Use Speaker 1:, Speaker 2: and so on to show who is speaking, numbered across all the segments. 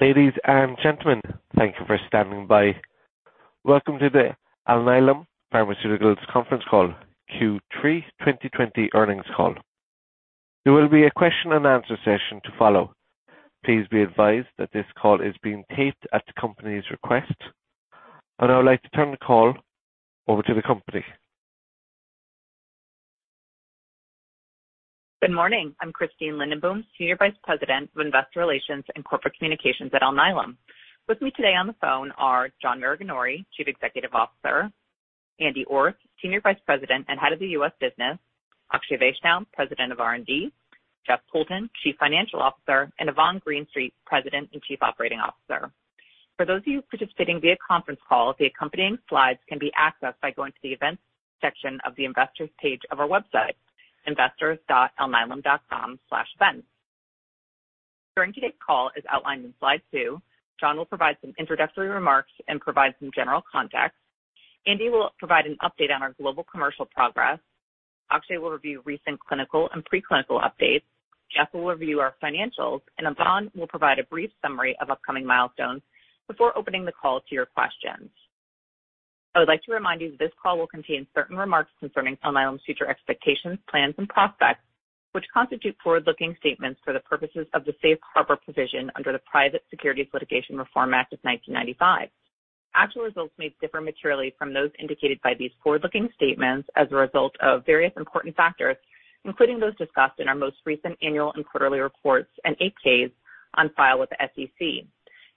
Speaker 1: Ladies and gentlemen, thank you for standing by. Welcome to the Alnylam Pharmaceuticals conference call, Q3 2020 earnings call. There will be a question and answer session to follow. Please be advised that this call is being taped at the company's request, and I would like to turn the call over to the company.
Speaker 2: Good morning. I'm Christine Lindenboom, Senior Vice President of Investor Relations and Corporate Communications at Alnylam. With me today on the phone are John Maraganore, Chief Executive Officer, Andy Orth, Senior Vice President and Head of the U.S. Business, Akshay Vaishnaw, President of R&D, Jeff Poulton, Chief Financial Officer, and Yvonne Greenstreet, President and Chief Operating Officer. For those of you participating via conference call, the accompanying slides can be accessed by going to the events section of the investors' page of our website, investors.alnylam.com/events. During today's call, as outlined in slide two, John will provide some introductory remarks and provide some general context. Andy will provide an update on our global commercial progress. Akshay will review recent clinical and preclinical updates. Jeff will review our financials, and Yvonne will provide a brief summary of upcoming milestones before opening the call to your questions. I would like to remind you that this call will contain certain remarks concerning Alnylam's future expectations, plans, and prospects, which constitute forward-looking statements for the purposes of the Safe Harbor provision under the Private Securities Litigation Reform Act of 1995. Actual results may differ materially from those indicated by these forward-looking statements as a result of various important factors, including those discussed in our most recent annual and quarterly reports and 8-Ks on file with the SEC.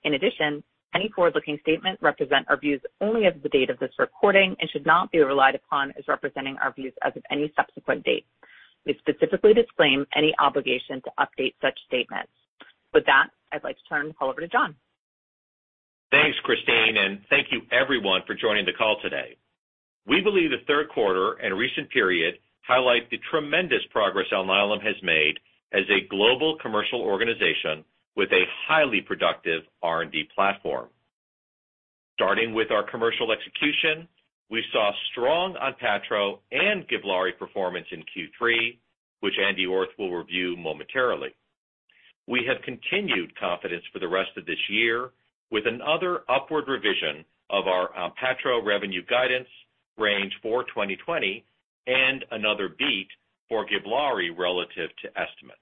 Speaker 2: In addition, any forward-looking statement represents our views only as of the date of this recording and should not be relied upon as representing our views as of any subsequent date. We specifically disclaim any obligation to update such statements. With that, I'd like to turn the call over to John.
Speaker 3: Thanks, Christine, and thank you everyone for joining the call today. We believe the third quarter and recent period highlight the tremendous progress Alnylam has made as a global commercial organization with a highly productive R&D platform. Starting with our commercial execution, we saw strong Onpattro and Givlaari performance in Q3, which Andy Orth will review momentarily. We have continued confidence for the rest of this year with another upward revision of our Onpattro revenue guidance range for 2020 and another beat for Givlaari relative to estimates.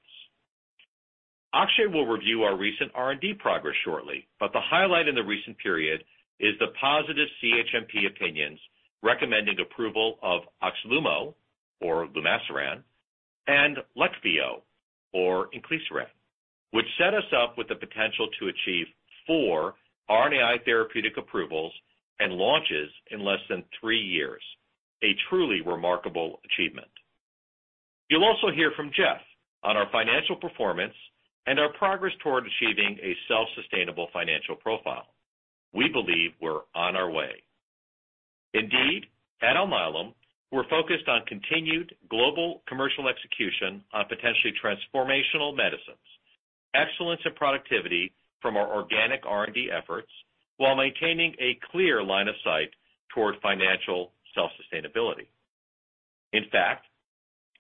Speaker 3: Akshay will review our recent R&D progress shortly, but the highlight in the recent period is the positive CHMP opinions recommending approval of Oxlumo or Lumasiran and Leqvio or Inclisiran, which set us up with the potential to achieve four RNAi therapeutic approvals and launches in less than three years, a truly remarkable achievement. You'll also hear from Jeff on our financial performance and our progress toward achieving a self-sustainable financial profile. We believe we're on our way. Indeed, at Alnylam, we're focused on continued global commercial execution on potentially transformational medicines, excellence and productivity from our organic R&D efforts while maintaining a clear line of sight toward financial self-sustainability. In fact,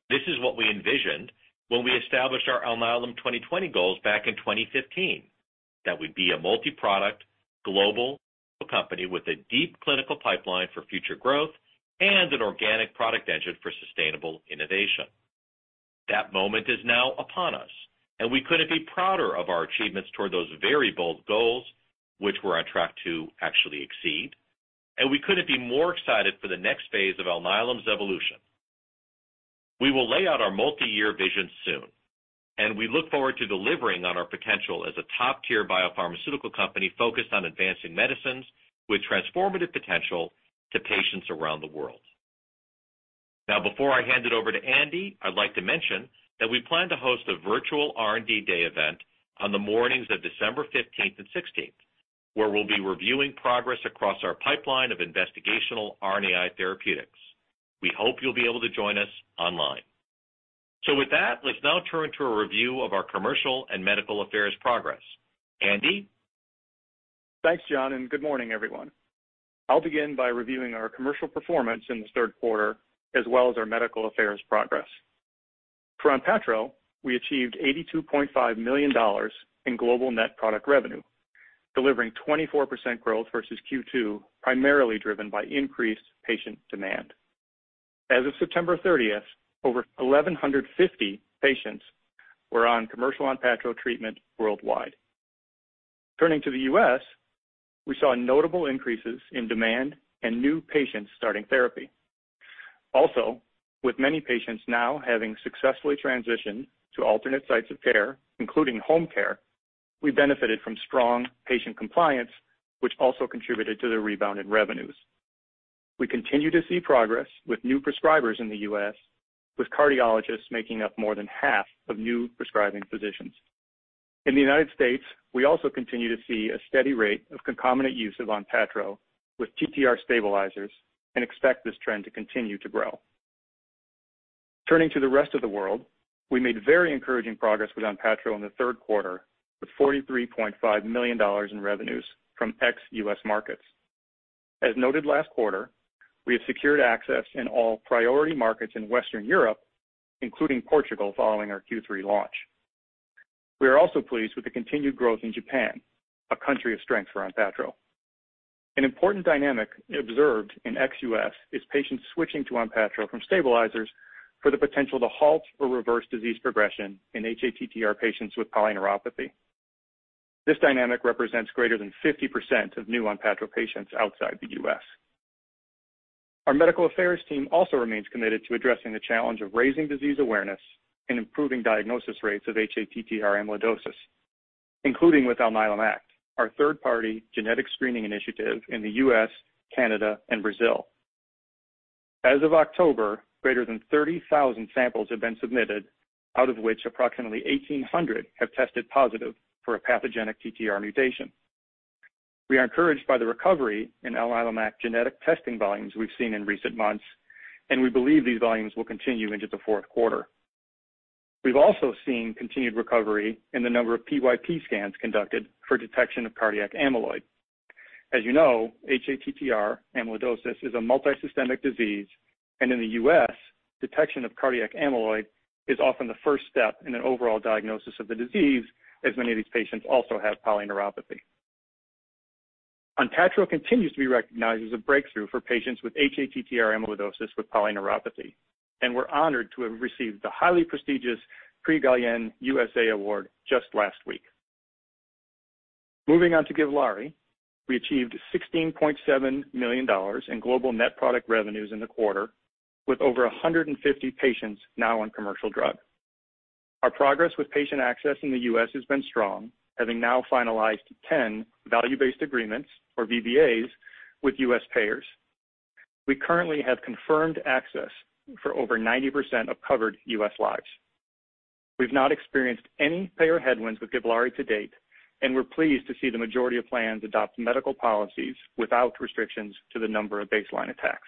Speaker 3: this is what we envisioned when we established our Alnylam 2020 goals back in 2015, that we'd be a multi-product global company with a deep clinical pipeline for future growth and an organic product engine for sustainable innovation. That moment is now upon us, and we couldn't be prouder of our achievements toward those very bold goals, which we're on track to actually exceed, and we couldn't be more excited for the next phase of Alnylam's evolution. We will lay out our multi-year vision soon, and we look forward to delivering on our potential as a top-tier biopharmaceutical company focused on advancing medicines with transformative potential to patients around the world. Now, before I hand it over to Andy, I'd like to mention that we plan to host a virtual R&D Day event on the mornings of December 15th and 16th, where we'll be reviewing progress across our pipeline of investigational RNAi therapeutics. We hope you'll be able to join us online. So with that, let's now turn to a review of our commercial and medical affairs progress. Andy?
Speaker 4: Thanks, John, and good morning, everyone. I'll begin by reviewing our commercial performance in the third quarter as well as our medical affairs progress. For Onpattro, we achieved $82.5 million in global net product revenue, delivering 24% growth versus Q2, primarily driven by increased patient demand. As of September 30th, over 1,150 patients were on commercial Onpattro treatment worldwide. Turning to the U.S., we saw notable increases in demand and new patients starting therapy. Also, with many patients now having successfully transitioned to alternate sites of care, including home care, we benefited from strong patient compliance, which also contributed to the rebound in revenues. We continue to see progress with new prescribers in the U.S., with cardiologists making up more than half of new prescribing physicians. In the United States, we also continue to see a steady rate of concomitant use of Onpattro with TTR stabilizers and expect this trend to continue to grow. Turning to the rest of the world, we made very encouraging progress with Onpattro in the third quarter, with $43.5 million in revenues from ex-US markets. As noted last quarter, we have secured access in all priority markets in Western Europe, including Portugal, following our Q3 launch. We are also pleased with the continued growth in Japan, a country of strength for Onpattro. An important dynamic observed in ex-US is patients switching to Onpattro from stabilizers for the potential to halt or reverse disease progression in hATTR patients with polyneuropathy. This dynamic represents greater than 50% of new Onpattro patients outside the US. Our medical affairs team also remains committed to addressing the challenge of raising disease awareness and improving diagnosis rates of hATTR amyloidosis, including with Alnylam Act, our third-party genetic screening initiative in the U.S., Canada, and Brazil. As of October, greater than 30,000 samples have been submitted, out of which approximately 1,800 have tested positive for a pathogenic TTR mutation. We are encouraged by the recovery in Alnylam Act genetic testing volumes we've seen in recent months, and we believe these volumes will continue into the fourth quarter. We've also seen continued recovery in the number of PYP scans conducted for detection of cardiac amyloid. As you know, hATTR amyloidosis is a multisystemic disease, and in the U.S., detection of cardiac amyloid is often the first step in an overall diagnosis of the disease, as many of these patients also have polyneuropathy. Onpattro continues to be recognized as a breakthrough for patients with hATTR amyloidosis with polyneuropathy, and we're honored to have received the highly prestigious Prix Galien USA award just last week. Moving on to Givlaari, we achieved $16.7 million in global net product revenues in the quarter, with over 150 patients now on commercial drug. Our progress with patient access in the US has been strong, having now finalized 10 value-based agreements, or VBAs, with US payers. We currently have confirmed access for over 90% of covered US lives. We've not experienced any payer headwinds with Givlaari to date, and we're pleased to see the majority of plans adopt medical policies without restrictions to the number of baseline attacks.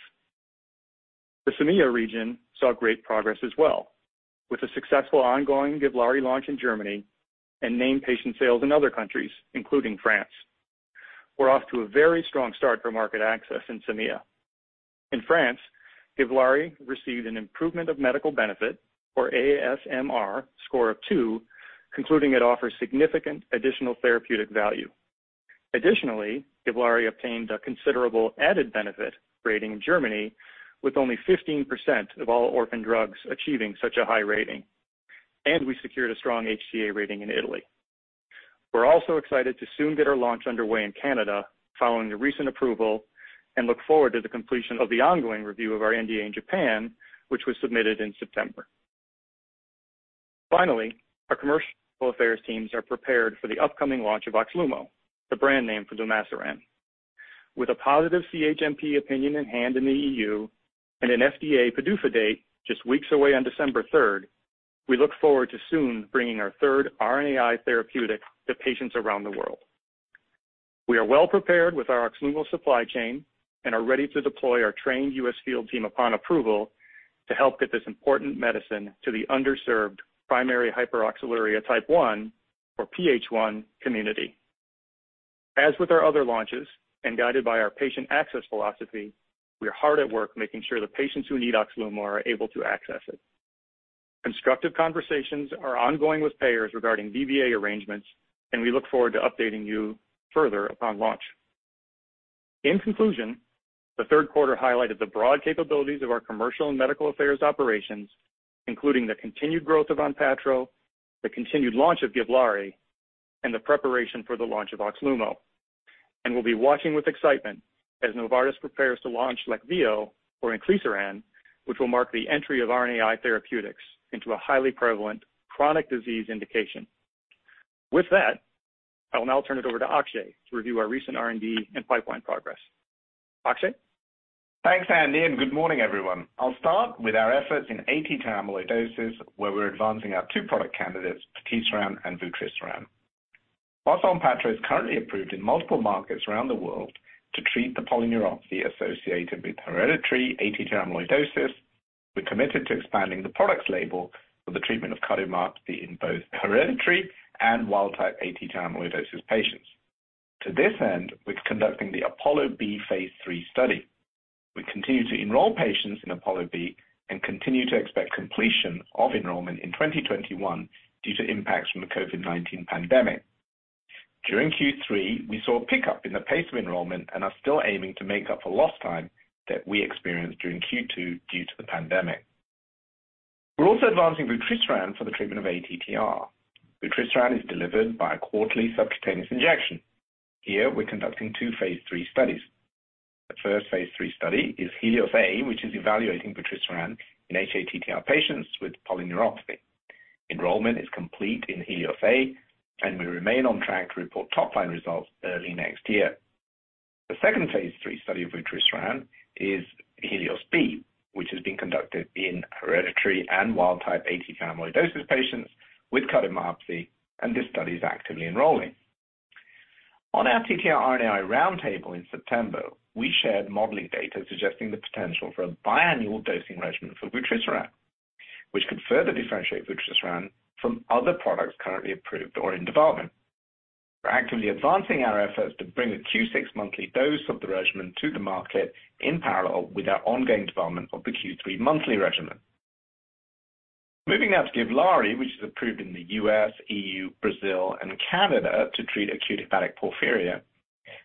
Speaker 4: The CEMEA region saw great progress as well, with a successful ongoing Givlaari launch in Germany and named patient sales in other countries, including France. We're off to a very strong start for market access in CEMEA. In France, Givlaari received an Improvement of Medical Benefit, or ASMR, score of two, concluding it offers significant additional therapeutic value. Additionally, Givlaari obtained a considerable added benefit rating in Germany, with only 15% of all orphan drugs achieving such a high rating, and we secured a strong HTA rating in Italy. We're also excited to soon get our launch underway in Canada following the recent approval and look forward to the completion of the ongoing review of our NDA in Japan, which was submitted in September. Finally, our commercial affairs teams are prepared for the upcoming launch of Oxlumo, the brand name for lumasiran. With a positive CHMP opinion in hand in the EU and an FDA PDUFA date just weeks away on December 3rd, we look forward to soon bringing our third RNAi therapeutic to patients around the world. We are well prepared with our Oxlumo supply chain and are ready to deploy our trained U.S. field team upon approval to help get this important medicine to the underserved primary hyperoxaluria type 1, or PH1, community. As with our other launches and guided by our patient access philosophy, we are hard at work making sure the patients who need Oxlumo are able to access it. Constructive conversations are ongoing with payers regarding VBA arrangements, and we look forward to updating you further upon launch. In conclusion, the third quarter highlighted the broad capabilities of our commercial and medical affairs operations, including the continued growth of ONPATTRO, the continued launch of GIVLAARI, and the preparation for the launch of OXLUMO, and we'll be watching with excitement as Novartis prepares to launch Leqvio or inclisiran, which will mark the entry of RNAi therapeutics into a highly prevalent chronic disease indication. With that, I will now turn it over to Akshay to review our recent R&D and pipeline progress. Akshay?
Speaker 5: Thanks, Andy, and good morning, everyone. I'll start with our efforts in ATTR amyloidosis, where we're advancing our two product candidates, patisiran and vutrisiran. While Onpattro is currently approved in multiple markets around the world to treat the polyneuropathy associated with hereditary ATTR amyloidosis, we're committed to expanding the product's label for the treatment of cardiomyopathy in both hereditary and wild-type ATTR amyloidosis patients. To this end, we're conducting the Apollo B phase 3 study. We continue to enroll patients in Apollo B and continue to expect completion of enrollment in 2021 due to impacts from the COVID-19 pandemic. During Q3, we saw a pickup in the pace of enrollment and are still aiming to make up for lost time that we experienced during Q2 due to the pandemic. We're also advancing vutrisiran for the treatment of ATTR. Vutrisiran is delivered by a quarterly subcutaneous injection. Here, we're conducting two phase 3 studies. The first phase 3 study is Helios A, which is evaluating vutrisiran in hATTR patients with polyneuropathy. Enrollment is complete in Helios A, and we remain on track to report top-line results early next year. The second phase 3 study of vutrisiran is Helios B, which has been conducted in hereditary and wild-type ATTR amyloidosis patients with cardiomyopathy, and this study is actively enrolling. On our TTR RNAi roundtable in September, we shared modeling data suggesting the potential for a biannual dosing regimen for vutrisiran, which could further differentiate vutrisiran from other products currently approved or in development. We're actively advancing our efforts to bring a Q6 monthly dose of the regimen to the market in parallel with our ongoing development of the Q3 monthly regimen. Moving now to Givlaari, which is approved in the U.S., E.U., Brazil, and Canada to treat acute hepatic porphyria,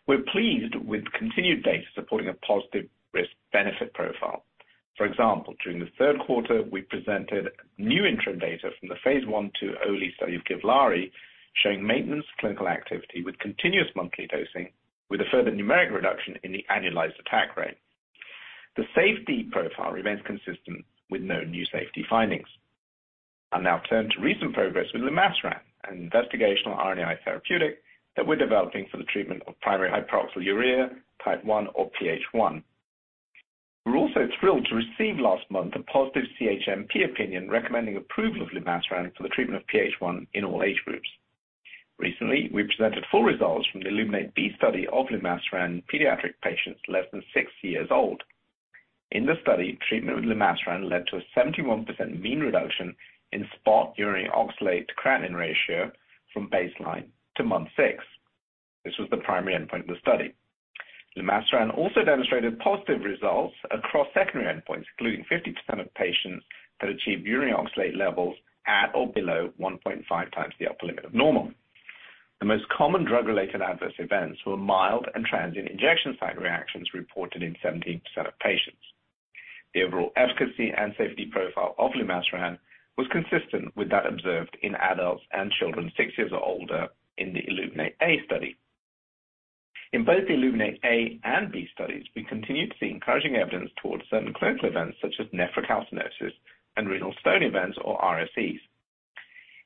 Speaker 5: we're pleased with continued data supporting a positive risk-benefit profile. For example, during the third quarter, we presented new interim data from the phase 1/2 early study of Givlaari, showing maintenance clinical activity with continuous monthly dosing, with a further numeric reduction in the annualized attack rate. The safety profile remains consistent with no new safety findings. I'll now turn to recent progress with lumasiran, an investigational RNAi therapeutic that we're developing for the treatment of primary hyperoxaluria type 1 or PH1. We're also thrilled to receive last month a positive CHMP opinion recommending approval of lumasiran for the treatment of PH1 in all age groups. Recently, we presented full results from the Illuminate B study of lumasiran in pediatric patients less than six years old. In the study, treatment with lumasiran led to a 71% mean reduction in spot urinary oxalate to creatinine ratio from baseline to month six. This was the primary endpoint of the study. Lumasiran also demonstrated positive results across secondary endpoints, including 50% of patients that achieved urinary oxalate levels at or below 1.5 times the upper limit of normal. The most common drug-related adverse events were mild and transient injection site reactions reported in 17% of patients. The overall efficacy and safety profile of lumasiran was consistent with that observed in adults and children six years or older in the Illuminate A study. In both the Illuminate A and B studies, we continue to see encouraging evidence towards certain clinical events such as nephrocalcinosis and renal stone events, or RSEs.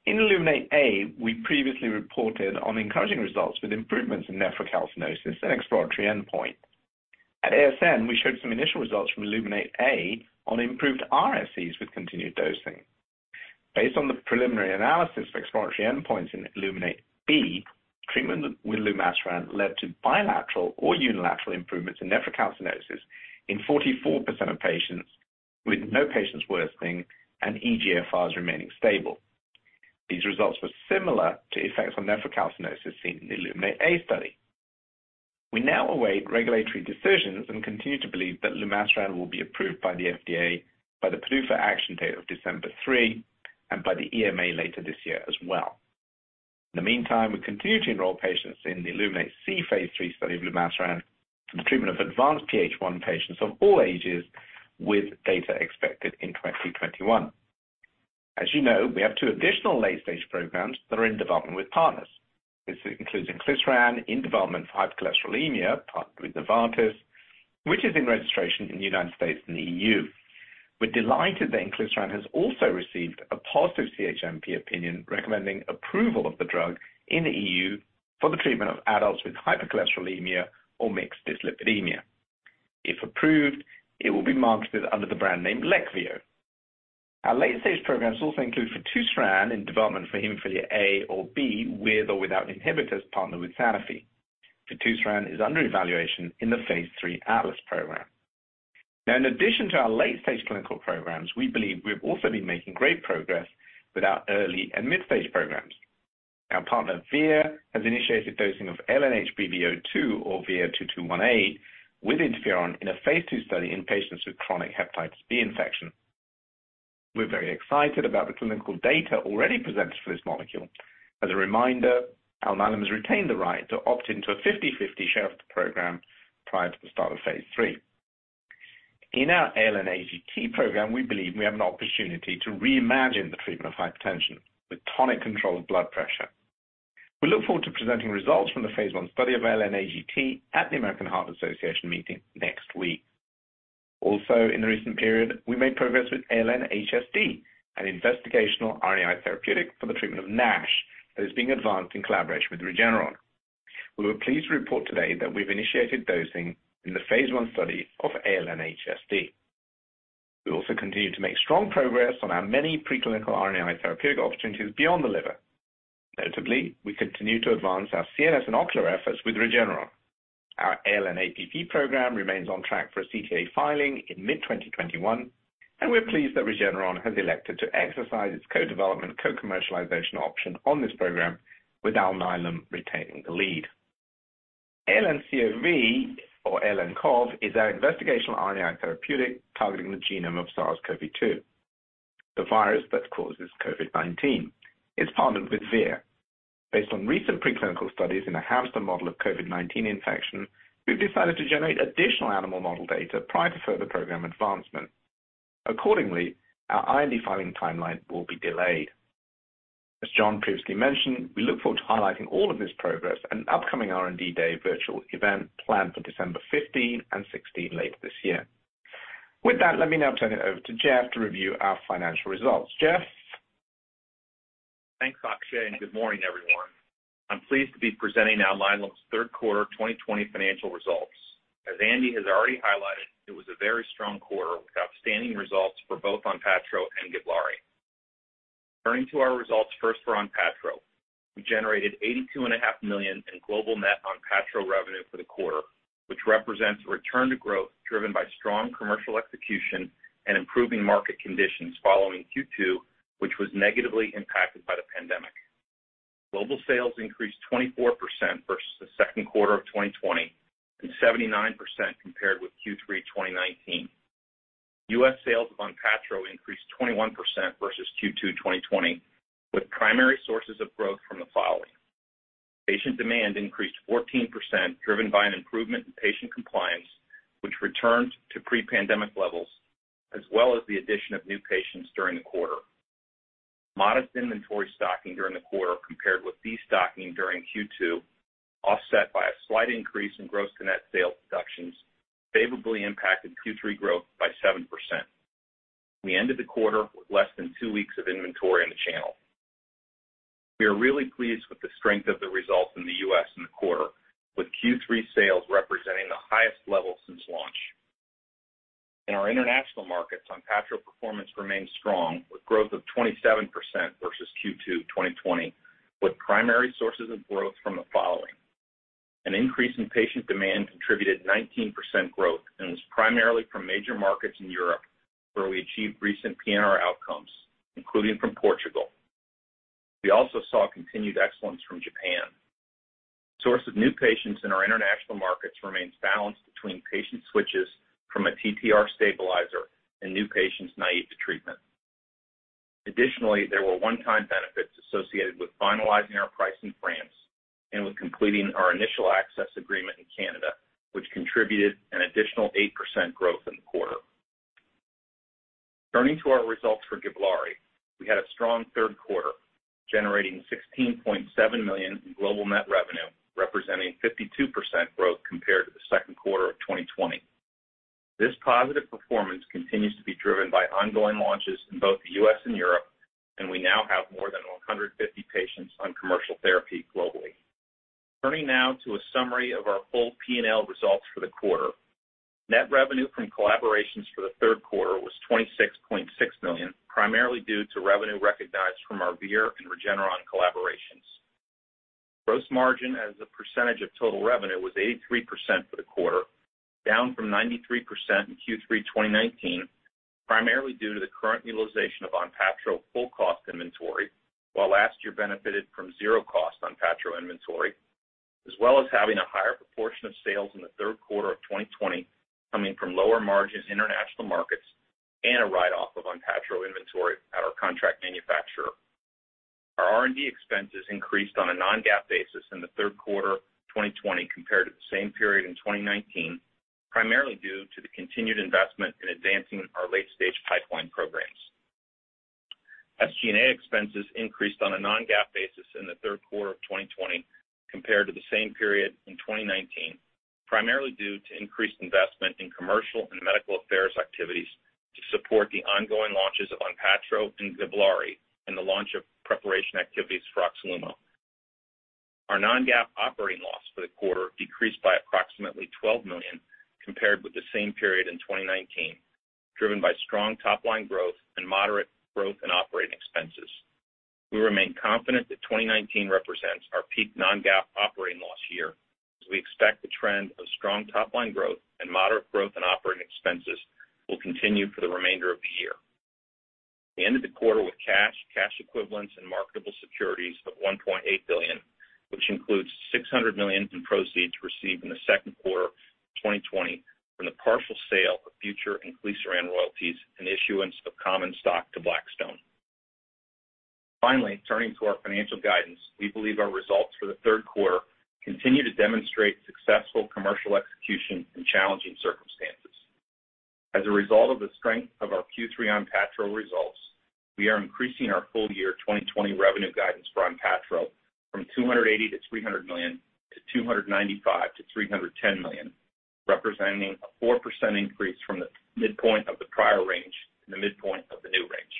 Speaker 5: In Illuminate A, we previously reported on encouraging results with improvements in nephrocalcinosis and exploratory endpoint. At ASN, we showed some initial results from Illuminate A on improved RSEs with continued dosing. Based on the preliminary analysis for exploratory endpoints in Illuminate B, treatment with lumasiran led to bilateral or unilateral improvements in nephrocalcinosis in 44% of patients, with no patients worsening and eGFRs remaining stable. These results were similar to effects on nephrocalcinosis seen in the Illuminate A study. We now await regulatory decisions and continue to believe that lumasiran will be approved by the FDA by the PDUFA action date of December 3 and by the EMA later this year as well. In the meantime, we continue to enroll patients in the Illuminate C phase three study of lumasiran for the treatment of advanced PH1 patients of all ages, with data expected in 2021. As you know, we have two additional late-stage programs that are in development with partners. This includes inclisiran in development for hypercholesterolemia partnered with Novartis, which is in registration in the United States and the EU. We're delighted that Inclisiran has also received a positive CHMP opinion recommending approval of the drug in the EU for the treatment of adults with hypercholesterolemia or mixed dyslipidemia. If approved, it will be marketed under the brand name Leqvio. Our late-stage programs also include Vutrisiran in development for hemophilia A or B with or without inhibitors partnered with Sanofi. Vutrisiran is under evaluation in the phase three Atlas program. Now, in addition to our late-stage clinical programs, we believe we've also been making great progress with our early and mid-stage programs. Our partner Vir has initiated dosing of ALN-HBV02, or VIR-2218, with interferon in a phase two study in patients with chronic hepatitis B infection. We're very excited about the clinical data already presented for this molecule. As a reminder, Alnylam has retained the right to opt into a 50/50 share of the program prior to the start of phase three. In our ALN-AGT program, we believe we have an opportunity to reimagine the treatment of hypertension with tonic control of blood pressure. We look forward to presenting results from the phase one study of ALN-AGT at the American Heart Association meeting next week. Also, in the recent period, we made progress with ALN-HSD, an investigational RNAi therapeutic for the treatment of NASH that is being advanced in collaboration with Regeneron. We were pleased to report today that we've initiated dosing in the phase one study of ALN-HSD. We also continue to make strong progress on our many preclinical RNAi therapeutic opportunities beyond the liver. Notably, we continue to advance our CNS and ocular efforts with Regeneron. Our ALN-APP program remains on track for a CTA filing in mid-2021, and we're pleased that Regeneron has elected to exercise its co-development, co-commercialization option on this program, with Alnylam retaining the lead. ALN-COV, or ALN-COV, is our investigational RNAi therapeutic targeting the genome of SARS-CoV-2, the virus that causes COVID-19. It's partnered with Vir. Based on recent preclinical studies in a hamster model of COVID-19 infection, we've decided to generate additional animal model data prior to further program advancement. Accordingly, our IND filing timeline will be delayed. As John previously mentioned, we look forward to highlighting all of this progress and upcoming R&D Day virtual event planned for December 15 and 16 later this year. With that, let me now turn it over to Jeff to review our financial results. Jeff?
Speaker 6: Thanks, Akshay, and good morning, everyone. I'm pleased to be presenting Alnylam's third quarter 2020 financial results. As Andy has already highlighted, it was a very strong quarter with outstanding results for both Onpattro and Givlaari. Turning to our results first for Onpattro, we generated $82.5 million in global net Onpattro revenue for the quarter, which represents return to growth driven by strong commercial execution and improving market conditions following Q2, which was negatively impacted by the pandemic. Global sales increased 24% versus the second quarter of 2020 and 79% compared with Q3 2019. U.S. sales of Onpattro increased 21% versus Q2 2020, with primary sources of growth from the following. Patient demand increased 14% driven by an improvement in patient compliance, which returned to pre-pandemic levels, as well as the addition of new patients during the quarter. Modest inventory stocking during the quarter compared with de-stocking during Q2, offset by a slight increase in gross to net sales deductions, favorably impacted Q3 growth by 7%. We ended the quarter with less than two weeks of inventory in the channel. We are really pleased with the strength of the results in the U.S. in the quarter, with Q3 sales representing the highest level since launch. In our international markets, Onpattro performance remained strong, with growth of 27% versus Q2 2020, with primary sources of growth from the following. An increase in patient demand contributed 19% growth and was primarily from major markets in Europe, where we achieved recent P&R outcomes, including from Portugal. We also saw continued excellence from Japan. Source of new patients in our international markets remains balanced between patient switches from a TTR stabilizer and new patients naive to treatment. Additionally, there were one-time benefits associated with finalizing our price in France and with completing our initial access agreement in Canada, which contributed an additional 8% growth in the quarter. Turning to our results for Givlaari, we had a strong third quarter, generating $16.7 million in global net revenue, representing 52% growth compared to the second quarter of 2020. This positive performance continues to be driven by ongoing launches in both the US and Europe, and we now have more than 150 patients on commercial therapy globally. Turning now to a summary of our full P&L results for the quarter, net revenue from collaborations for the third quarter was $26.6 million, primarily due to revenue recognized from our Vir and Regeneron collaborations. Gross margin as a percentage of total revenue was 83% for the quarter, down from 93% in Q3 2019, primarily due to the current utilization of Onpattro full cost inventory, while last year benefited from zero cost Onpattro inventory, as well as having a higher proportion of sales in the third quarter of 2020 coming from lower margins international markets and a write-off of Onpattro inventory at our contract manufacturer. Our R&D expenses increased on a non-GAAP basis in the third quarter 2020 compared to the same period in 2019, primarily due to the continued investment in advancing our late-stage pipeline programs. SG&A expenses increased on a non-GAAP basis in the third quarter of 2020 compared to the same period in 2019, primarily due to increased investment in commercial and medical affairs activities to support the ongoing launches of Onpattro and Givlaari and the launch of preparation activities for Oxlumo. Our non-GAAP operating loss for the quarter decreased by approximately $12 million compared with the same period in 2019, driven by strong top-line growth and moderate growth in operating expenses. We remain confident that 2019 represents our peak non-GAAP operating loss year, as we expect the trend of strong top-line growth and moderate growth in operating expenses will continue for the remainder of the year. We ended the quarter with cash, cash equivalents, and marketable securities of $1.8 billion, which includes $600 million in proceeds received in the second quarter of 2020 from the partial sale of future inclisiran royalties and issuance of common stock to Blackstone. Finally, turning to our financial guidance, we believe our results for the third quarter continue to demonstrate successful commercial execution in challenging circumstances. As a result of the strength of our Q3 Onpattro results, we are increasing our full year 2020 revenue guidance for Onpattro from $280 million-$300 million to $295 million-$310 million, representing a 4% increase from the midpoint of the prior range to the midpoint of the new range.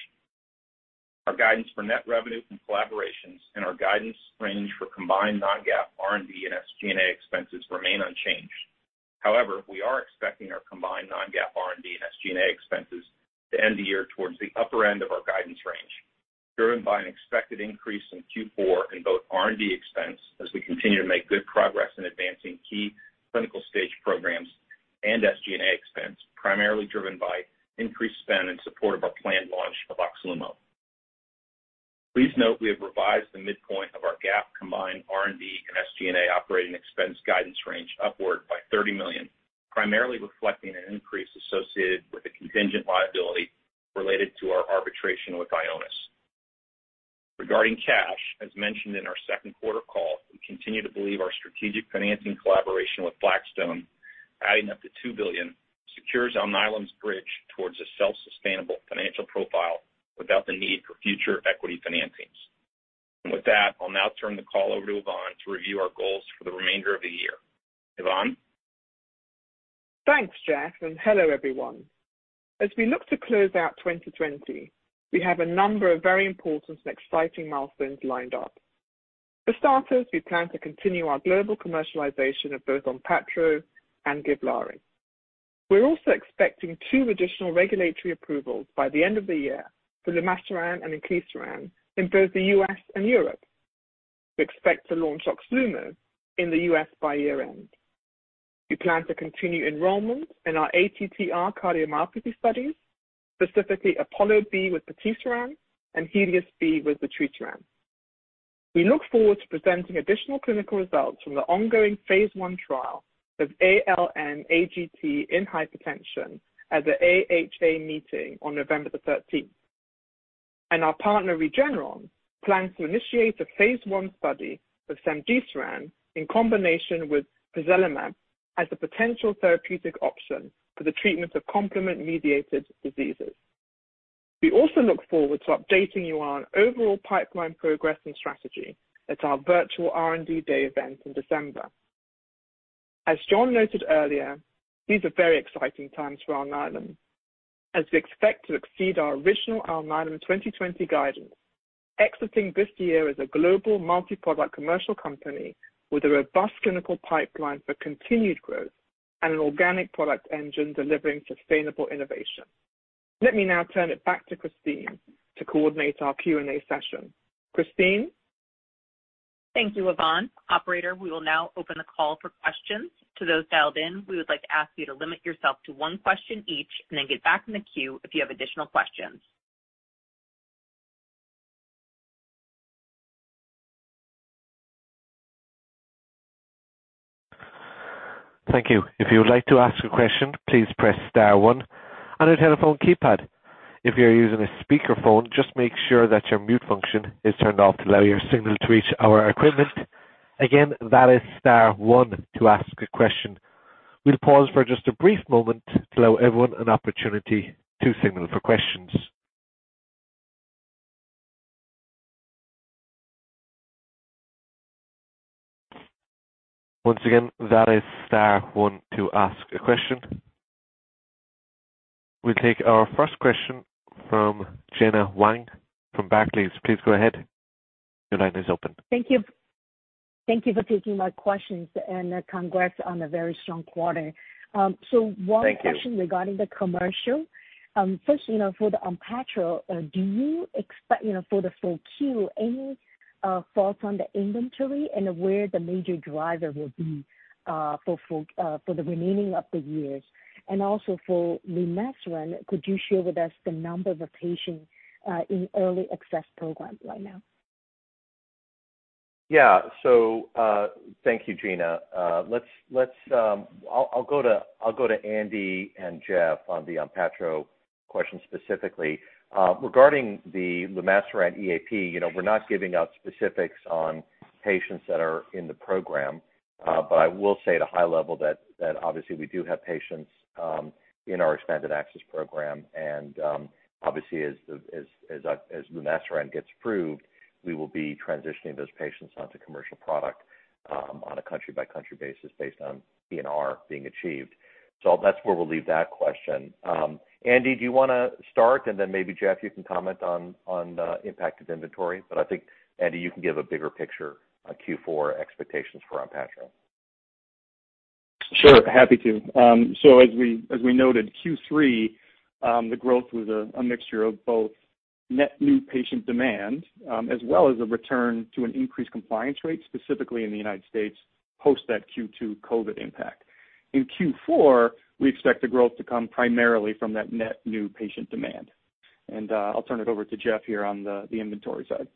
Speaker 6: Our guidance for net revenue from collaborations and our guidance range for combined non-GAAP R&D and SG&A expenses remain unchanged. However, we are expecting our combined non-GAAP R&D and SG&A expenses to end the year towards the upper end of our guidance range, driven by an expected increase in Q4 in both R&D expense as we continue to make good progress in advancing key clinical stage programs and SG&A expense, primarily driven by increased spend in support of our planned launch of Oxlumo. Please note we have revised the midpoint of our GAAP combined R&D and SG&A operating expense guidance range upward by $30 million, primarily reflecting an increase associated with the contingent liability related to our arbitration with Ionis. Regarding cash, as mentioned in our second quarter call, we continue to believe our strategic financing collaboration with Blackstone, adding up to $2 billion, secures Alnylam's bridge towards a self-sustainable financial profile without the need for future equity financings. And with that, I'll now turn the call over to Yvonne to review our goals for the remainder of the year. Yvonne?
Speaker 7: Thanks, Jeff, and hello, everyone. As we look to close out 2020, we have a number of very important and exciting milestones lined up. For starters, we plan to continue our global commercialization of both Onpattro and Givlaari. We're also expecting two additional regulatory approvals by the end of the year for lumasiran and inclisiran in both the U.S. and Europe. We expect to launch Oxlumo in the U.S. by year-end. We plan to continue enrollment in our ATTR cardiomyopathy studies, specifically Apollo B with patisiran and Helios B with vutrisiran. We look forward to presenting additional clinical results from the ongoing phase 1 trial of ALN-AGT in hypertension at the AHA meeting on November the 13th, and our partner Regeneron plans to initiate a phase 1 study of cemdisiran in combination with pozelimab as a potential therapeutic option for the treatment of complement-mediated diseases. We also look forward to updating you on overall pipeline progress and strategy at our virtual R&D Day event in December. As John noted earlier, these are very exciting times for Alnylam, as we expect to exceed our original Alnylam 2020 guidance, exiting this year as a global multi-product commercial company with a robust clinical pipeline for continued growth and an organic product engine delivering sustainable innovation. Let me now turn it back to Christine to coordinate our Q&A session. Christine?
Speaker 2: Thank you, Yvonne. Operator, we will now open the call for questions. To those dialed in, we would like to ask you to limit yourself to one question each and then get back in the queue if you have additional questions.
Speaker 1: Thank you. If you would like to ask a question, please press star one on your telephone keypad. If you're using a speakerphone, just make sure that your mute function is turned off to allow your signal to reach our equipment. Again, that is star one to ask a question. We'll pause for just a brief moment to allow everyone an opportunity to signal for questions. Once again, that is star one to ask a question. We'll take our first question from Gena Wang from Barclays. Please go ahead. Your line is open.
Speaker 8: Thank you. Thank you for taking my questions, and congrats on a very strong quarter. So one question. Thank you. Regarding the commercial, first, for the Onpattro, do you expect for the full Q4, any thoughts on the inventory and where the major driver will be for the remainder of the year? And also, for lumasiran, could you share with us the number of patients in early access program right now?
Speaker 3: Yeah. So thank you, Gena. I'll go to Andy and Jeff on the Onpattro question specifically. Regarding the lumasiran EAP, we're not giving out specifics on patients that are in the program, but I will say at a high level that, obviously, we do have patients in our expanded access program. And obviously, as lumasiran gets approved, we will be transitioning those patients onto commercial product on a country-by-country basis based on P&R being achieved. So that's where we'll leave that question. Andy, do you want to start, and then maybe Jeff, you can comment on the impact of inventory? But I think, Andy, you can give a bigger picture on Q4 expectations for Onpattro.
Speaker 4: Sure. Happy to. So as we noted, Q3, the growth was a mixture of both net new patient demand as well as a return to an increased compliance rate, specifically in the United States post that Q2 COVID impact. In Q4, we expect the growth to come primarily from that net new patient demand. And I'll turn it over to Jeff here on the inventory side.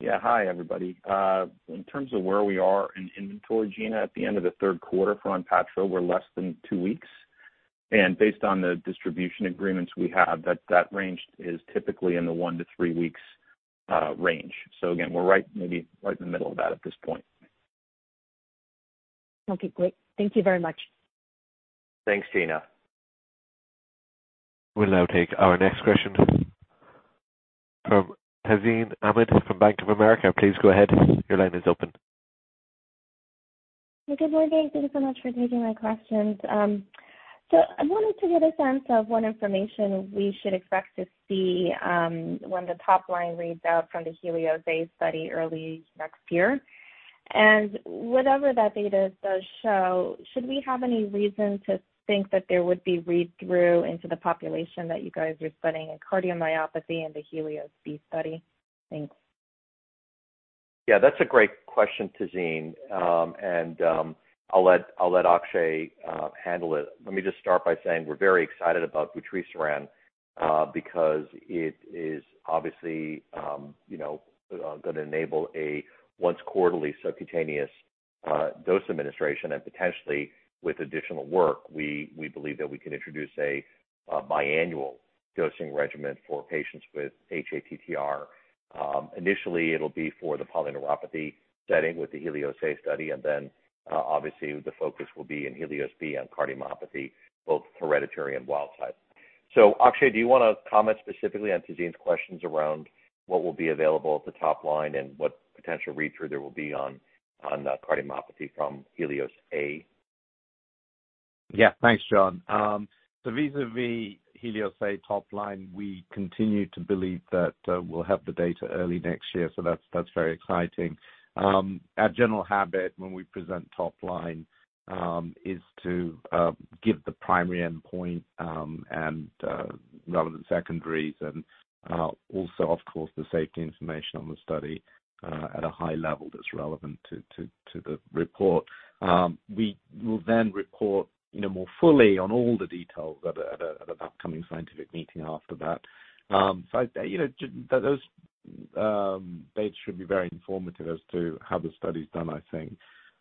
Speaker 6: Yeah. Hi, everybody. In terms of where we are in inventory, Gena, at the end of the third quarter for Onpattro, we're less than two weeks. And based on the distribution agreements we have, that range is typically in the one to three weeks range. So again, we're maybe right in the middle of that at this point.
Speaker 8: Okay. Great. Thank you very much.
Speaker 6: Thanks, Gena.
Speaker 1: We'll now take our next question from Tazeen Ahmad from Bank of America. Please go ahead. Your line is open.
Speaker 9: Good morning. Thank you so much for taking my questions. So I wanted to get a sense of what information we should expect to see when the top line reads out from the Helios A study early next year. And whatever that data does show, should we have any reason to think that there would be read-through into the population that you guys are studying in cardiomyopathy in the Helios B study? Thanks.
Speaker 3: Yeah. That's a great question, Tazeen, and I'll let Akshay handle it. Let me just start by saying we're very excited about Vutrisiran because it is obviously going to enable a once-quarterly subcutaneous dose administration and potentially with additional work, we believe that we can introduce a biannual dosing regimen for patients with hATTR. Initially, it'll be for the polyneuropathy setting with the Helios A study, and then obviously, the focus will be in Helios B on cardiomyopathy, both hereditary and wild type, so Akshay, do you want to comment specifically on Tazeen's questions around what will be available at the top line and what potential read-through there will be on cardiomyopathy from Helios A?
Speaker 5: Yeah. Thanks, John. So vis-à-vis Helios A top line, we continue to believe that we'll have the data early next year. So that's very exciting. Our general habit when we present top line is to give the primary endpoint and relevant secondaries, and also, of course, the safety information on the study at a high level that's relevant to the report. We will then report more fully on all the details at an upcoming scientific meeting after that. So those dates should be very informative as to how the study's done, I think.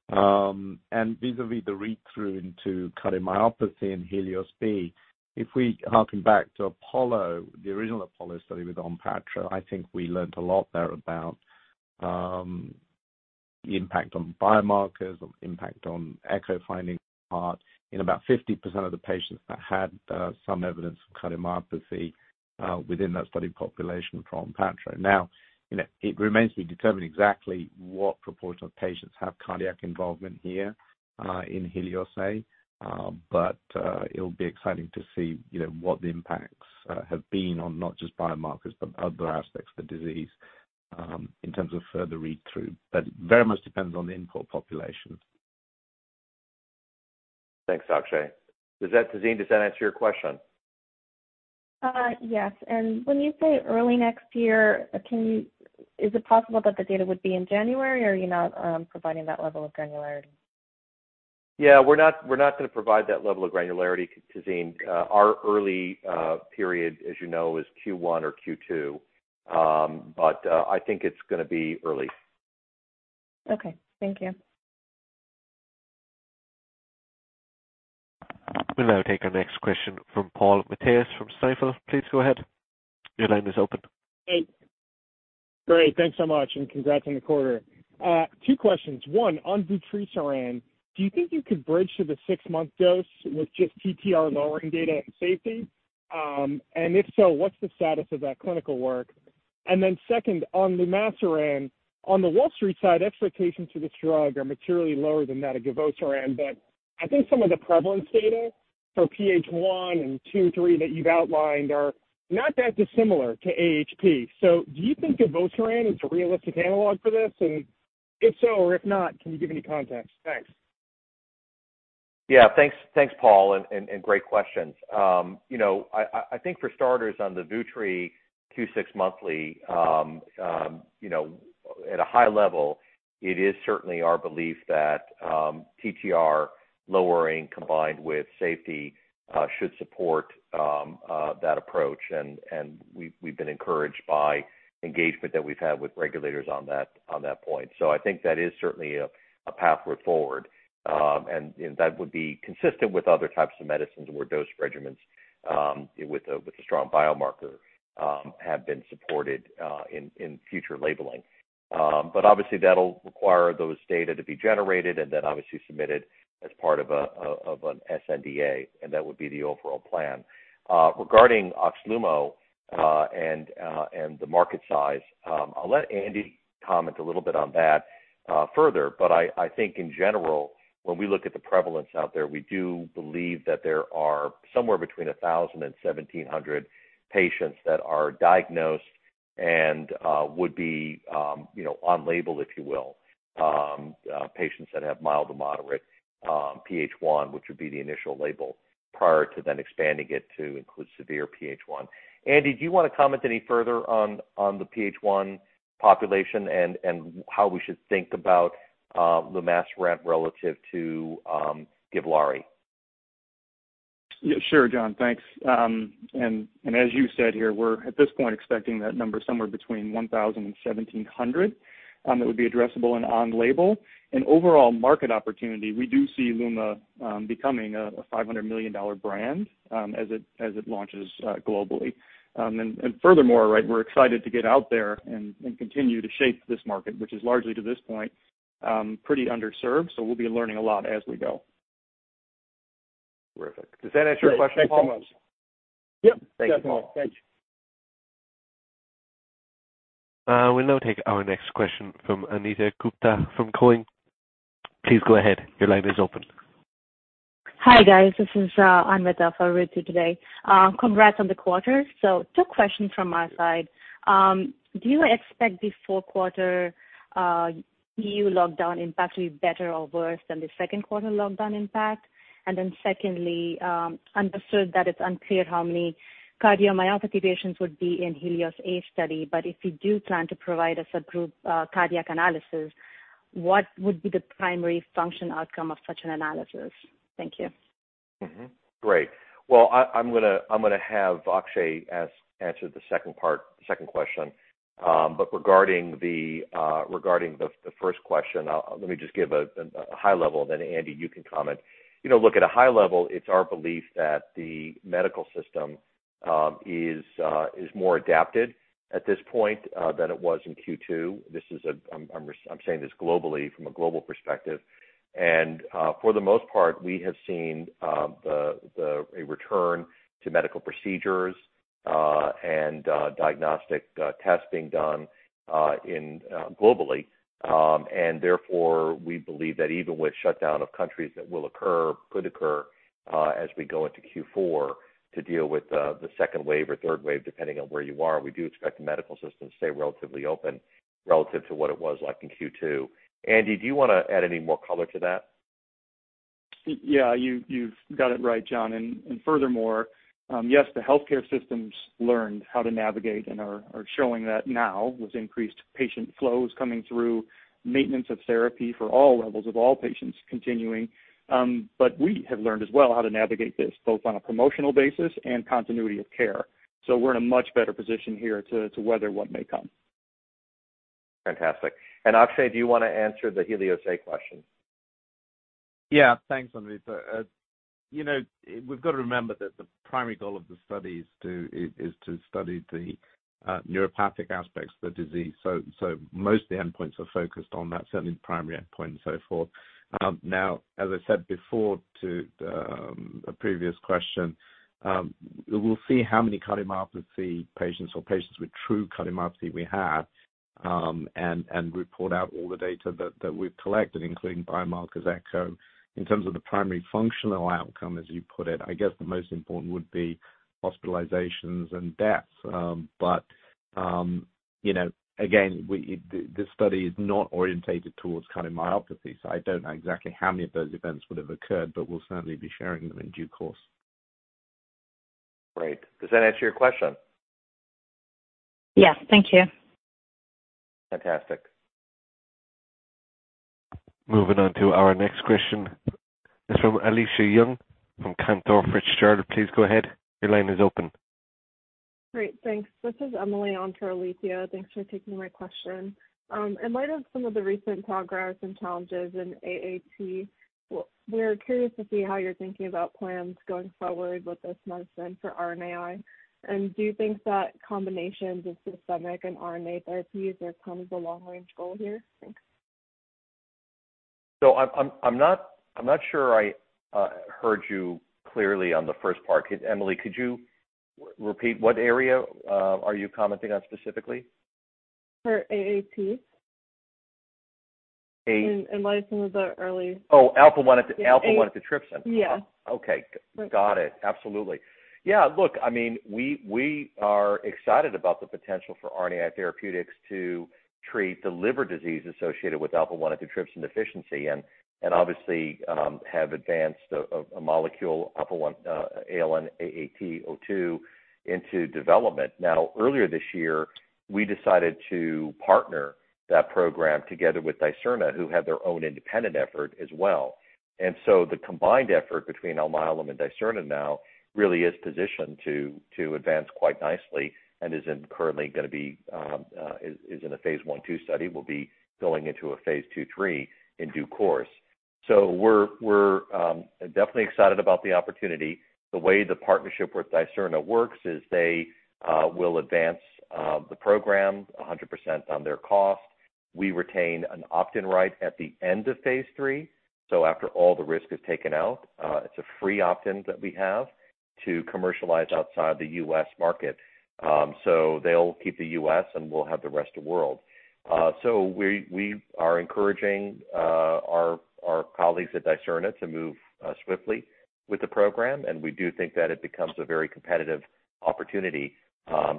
Speaker 5: And vis-à-vis the read-through into cardiomyopathy and Helios B, if we harken back to the original Apollo study with Onpattro, I think we learned a lot there about the impact on biomarkers, impact on echo findings in the heart in about 50% of the patients that had some evidence of cardiomyopathy within that study population from Onpattro. Now, it remains to be determined exactly what proportion of patients have cardiac involvement here in Helios A, but it'll be exciting to see what the impacts have been on not just biomarkers but other aspects of the disease in terms of further read-through, but it very much depends on the input population.
Speaker 3: Thanks, Akshay. Tazeen, does that answer your question?
Speaker 9: Yes, and when you say early next year, is it possible that the data would be in January, or are you not providing that level of granularity?
Speaker 3: Yeah. We're not going to provide that level of granularity, Tazeen. Our early period, as you know, is Q1 or Q2, but I think it's going to be early.
Speaker 9: Okay. Thank you.
Speaker 1: We'll now take our next question from Paul Matteis from Stifel. Please go ahead. Your line is open.
Speaker 10: Hey. Great. Thanks so much, and congrats on the quarter. Two questions. One, on vutrisiran, do you think you could bridge to the six-month dose with just TTR lowering data and safety? And if so, what's the status of that clinical work? And then second, on lumasiran, on the Wall Street side, expectations for this drug are materially lower than that of givosiran, but I think some of the prevalence data for PH1 and PH2, PH3 that you've outlined are not that dissimilar to AHP. So do you think givosiran is a realistic analog for this? And if so or if not, can you give any context? Thanks.
Speaker 3: Yeah. Thanks, Paul, and great questions. I think for starters, on the Vutrisiran Q6 monthly, at a high level, it is certainly our belief that TTR lowering combined with safety should support that approach, and we've been encouraged by engagement that we've had with regulators on that point, so I think that is certainly a pathway forward. And that would be consistent with other types of medicines where dose regimens with a strong biomarker have been supported in future labeling, but obviously, that'll require those data to be generated and then obviously submitted as part of an SNDA, and that would be the overall plan. Regarding Oxlumo and the market size, I'll let Andy comment a little bit on that further. But I think in general, when we look at the prevalence out there, we do believe that there are somewhere between 1,000 and 1,700 patients that are diagnosed and would be on label, if you will, patients that have mild to moderate PH1, which would be the initial label prior to then expanding it to include severe PH1. Andy, do you want to comment any further on the PH1 population and how we should think about Lumasiran relative to Givlaari?
Speaker 4: Sure, John. Thanks. And as you said here, we're at this point expecting that number somewhere between 1,000 and 1,700 that would be addressable and on label. And overall market opportunity, we do see Oxlumo becoming a $500 million brand as it launches globally. And furthermore, we're excited to get out there and continue to shape this market, which is largely to this point pretty underserved. So we'll be learning a lot as we go.
Speaker 3: Terrific. Does that answer your question, Paul? Thanks, Paul. Yep. Thanks, Paul. Thanks.
Speaker 1: We'll now take our next question from Anvita Gupta from Cowen. Please go ahead. Your line is open.
Speaker 11: Hi, guys. This is Anvita for Ritu today. Congrats on the quarter. So two questions from my side. Do you expect the four-quarter EU lockdown impact to be better or worse than the second quarter lockdown impact? And then secondly, understood that it's unclear how many cardiomyopathy patients would be in Helios A study, but if you do plan to provide a subgroup cardiac analysis, what would be the primary functional outcome of such an analysis? Thank you.
Speaker 3: Great. Well, I'm going to have Akshay answer the second question. But regarding the first question, let me just give a high level, and then Andy, you can comment. Look, at a high level, it's our belief that the medical system is more adapted at this point than it was in Q2. I'm saying this globally from a global perspective. And for the most part, we have seen a return to medical procedures and diagnostic tests being done globally. And therefore, we believe that even with shutdown of countries that could occur as we go into Q4 to deal with the second wave or third wave, depending on where you are, we do expect the medical system to stay relatively open relative to what it was like in Q2. Andy, do you want to add any more color to that?
Speaker 4: Yeah. You've got it right, John. And furthermore, yes, the healthcare systems learned how to navigate and are showing that now with increased patient flows coming through, maintenance of therapy for all levels of all patients continuing. But we have learned as well how to navigate this both on a promotional basis and continuity of care. So we're in a much better position here to weather what may come.
Speaker 3: Fantastic. And Akshay, do you want to answer the Helios A question?
Speaker 5: Yeah. Thanks, Anvita. We've got to remember that the primary goal of the study is to study the neuropathic aspects of the disease. So most of the endpoints are focused on that, certainly the primary endpoint and so forth. Now, as I said before to a previous question, we'll see how many cardiomyopathy patients or patients with true cardiomyopathy we have and report out all the data that we've collected, including biomarkers, echo. In terms of the primary functional outcome, as you put it, I guess the most important would be hospitalizations and deaths. But again, this study is not orientated towards cardiomyopathy, so I don't know exactly how many of those events would have occurred, but we'll certainly be sharing them in due course.
Speaker 3: Great. Does that answer your question?
Speaker 11: Yes. Thank you.
Speaker 3: Fantastic.
Speaker 1: Moving on to our next question. It's from Alethia Young from Cantor Fitzgerald. Please go ahead. Your line is open.
Speaker 12: Great. Thanks. This is Emily on Alethia. Thanks for taking my question. In light of some of the recent progress and challenges in AAT, we're curious to see how you're thinking about plans going forward with this medicine for RNAi. And do you think that combinations of systemic and RNA therapies are kind of the long-range goal here? Thanks.
Speaker 3: So I'm not sure I heard you clearly on the first part. Emily, could you repeat? What area are you commenting on specifically?
Speaker 12: For AAT?
Speaker 3: A.
Speaker 12: In light of some of the early.
Speaker 3: Oh, alpha-1-antitrypsin.
Speaker 12: Yes.
Speaker 3: Okay. Got it. Absolutely. Yeah. Look, I mean, we are excited about the potential for RNAi therapeutics to treat the liver disease associated with alpha-1 antitrypsin deficiency and obviously have advanced a molecule, ALN-AAT02, into development. Now, earlier this year, we decided to partner that program together with Dicerna, who had their own independent effort as well. And so the combined effort between Alnylam and Dicerna now really is positioned to advance quite nicely and is currently going to be in a phase one, two study, will be going into a phase two, three in due course. So we're definitely excited about the opportunity. The way the partnership with Dicerna works is they will advance the program 100% on their cost. We retain an opt-in right at the end of phase three, so after all the risk is taken out. It's a free opt-in that we have to commercialize outside the U.S. market. So they'll keep the U.S., and we'll have the rest of the world. So we are encouraging our colleagues at Dicerna to move swiftly with the program, and we do think that it becomes a very competitive opportunity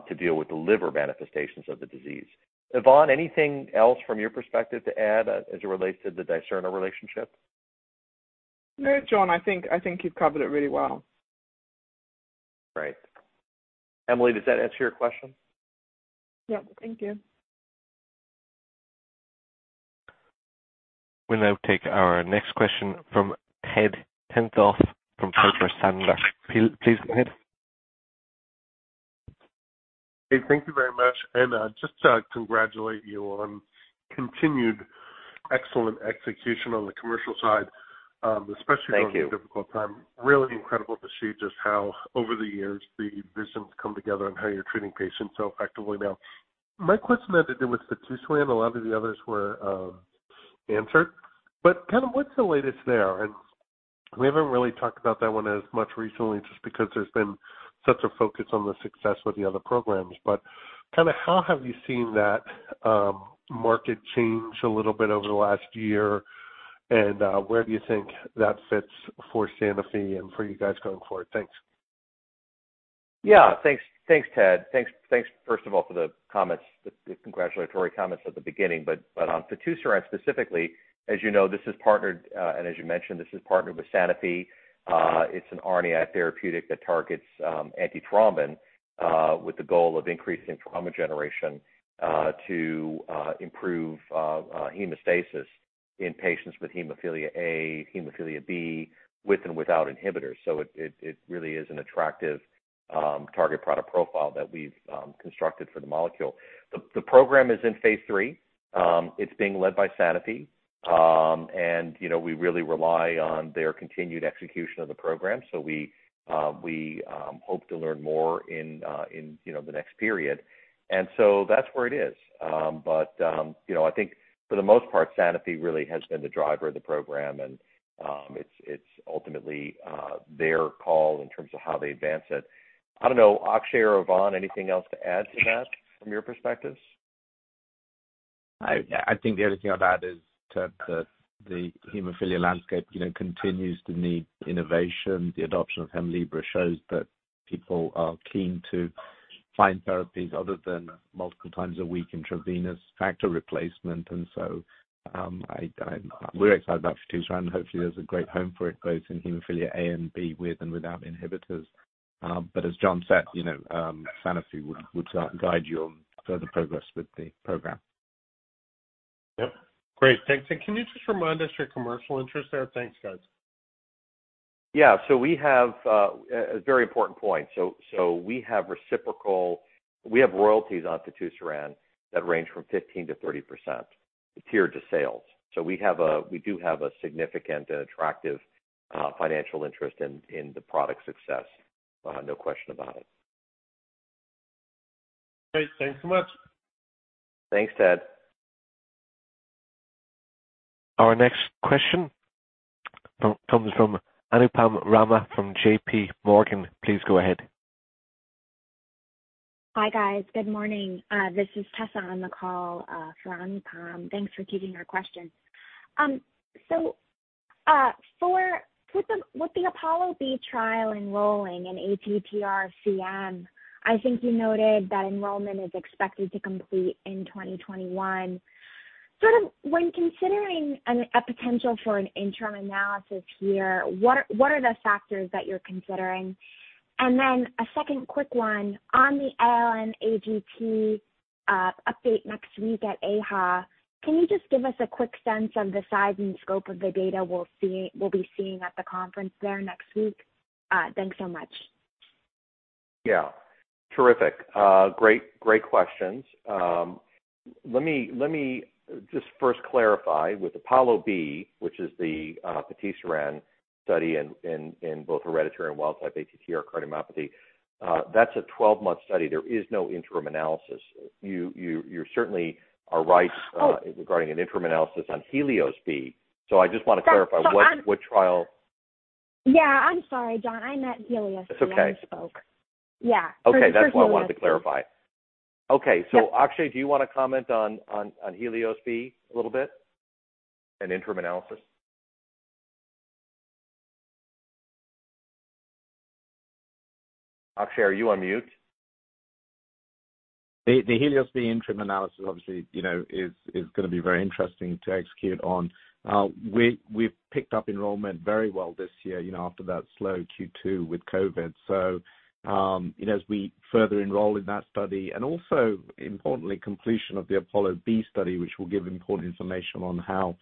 Speaker 3: to deal with the liver manifestations of the disease. Yvonne, anything else from your perspective to add as it relates to the Dicerna relationship?
Speaker 7: No, John. I think you've covered it really well.
Speaker 3: Great. Emily, does that answer your question?
Speaker 12: Yep. Thank you.
Speaker 1: We'll now take our next question from Ted Tenthoff from Piper Sandler. Please go ahead.
Speaker 13: Hey, thank you very much, and just to congratulate you on continued excellent execution on the commercial side, especially during the difficult time. Really incredible to see just how over the years the visions come together and how you're treating patients so effectively now. My question that I did with fitusiran, a lot of the others were answered, but kind of what's the latest there, and we haven't really talked about that one as much recently just because there's been such a focus on the success with the other programs, but kind of how have you seen that market change a little bit over the last year, and where do you think that fits for Sanofi and for you guys going forward? Thanks.
Speaker 3: Yeah. Thanks, Ted. Thanks, first of all, for the congratulatory comments at the beginning. But on fitusiran specifically, as you know, this is partnered, and as you mentioned, this is partnered with Sanofi. It's an RNAi therapeutic that targets antithrombin with the goal of increasing thrombin generation to improve hemostasis in patients with hemophilia A, hemophilia B, with and without inhibitors. So it really is an attractive target product profile that we've constructed for the molecule. The program is in phase three. It's being led by Sanofi, and we really rely on their continued execution of the program. So we hope to learn more in the next period, and so that's where it is, but I think for the most part, Sanofi really has been the driver of the program, and it's ultimately their call in terms of how they advance it. I don't know, Akshay or Yvonne, anything else to add to that from your perspectives?
Speaker 5: I think the only thing I'll add is that the hemophilia landscape continues to need innovation. The adoption of Hemlibra shows that people are keen to find therapies other than multiple times a week intravenous factor replacement. And so we're excited about fitusiran. Hopefully, there's a great home for it both in hemophilia A and B with and without inhibitors. But as John said, Sanofi would guide you on further progress with the program.
Speaker 13: Yep. Great. Thanks. And can you just remind us your commercial interest there? Thanks, guys.
Speaker 3: Yeah. So we have a very important point. So we have reciprocal, we have royalties on fitusiran that range from 15%-30% tiered to sales. So we do have a significant and attractive financial interest in the product success, no question about it.
Speaker 13: Great. Thanks so much.
Speaker 3: Thanks, Ted.
Speaker 1: Our next question comes from Anupam Rama from JP Morgan. Please go ahead.
Speaker 14: Hi, guys. Good morning. This is Tessa on the call from Anupam. Thanks for taking our questions. So with the Apollo B trial enrolling in ATTR-CM, I think you noted that enrollment is expected to complete in 2021. Sort of when considering a potential for an interim analysis here, what are the factors that you're considering? And then a second quick one, on the ALN-AGT update next week at AHA, can you just give us a quick sense of the size and scope of the data we'll be seeing at the conference there next week? Thanks so much.
Speaker 3: Yeah. Terrific. Great questions. Let me just first clarify with Apollo B, which is the fitusiran study in both hereditary and wild-type ATTR cardiomyopathy, that's a 12-month study. There is no interim analysis. You certainly are right regarding an interim analysis on Helios B. So I just want to clarify what trial.
Speaker 15: Sorry. Yeah. I'm sorry, John. I meant Helios B. I misspoke.
Speaker 3: It's okay.
Speaker 14: Yeah.
Speaker 3: Okay. That's why I wanted to clarify. Okay. So Akshay, do you want to comment on Helios B a little bit? An interim analysis? Akshay, are you on mute?
Speaker 5: The Helios B interim analysis, obviously, is going to be very interesting to execute on. We've picked up enrollment very well this year after that slow Q2 with COVID. So as we further enroll in that study and also, importantly, completion of the Apollo B study, which will give important information on how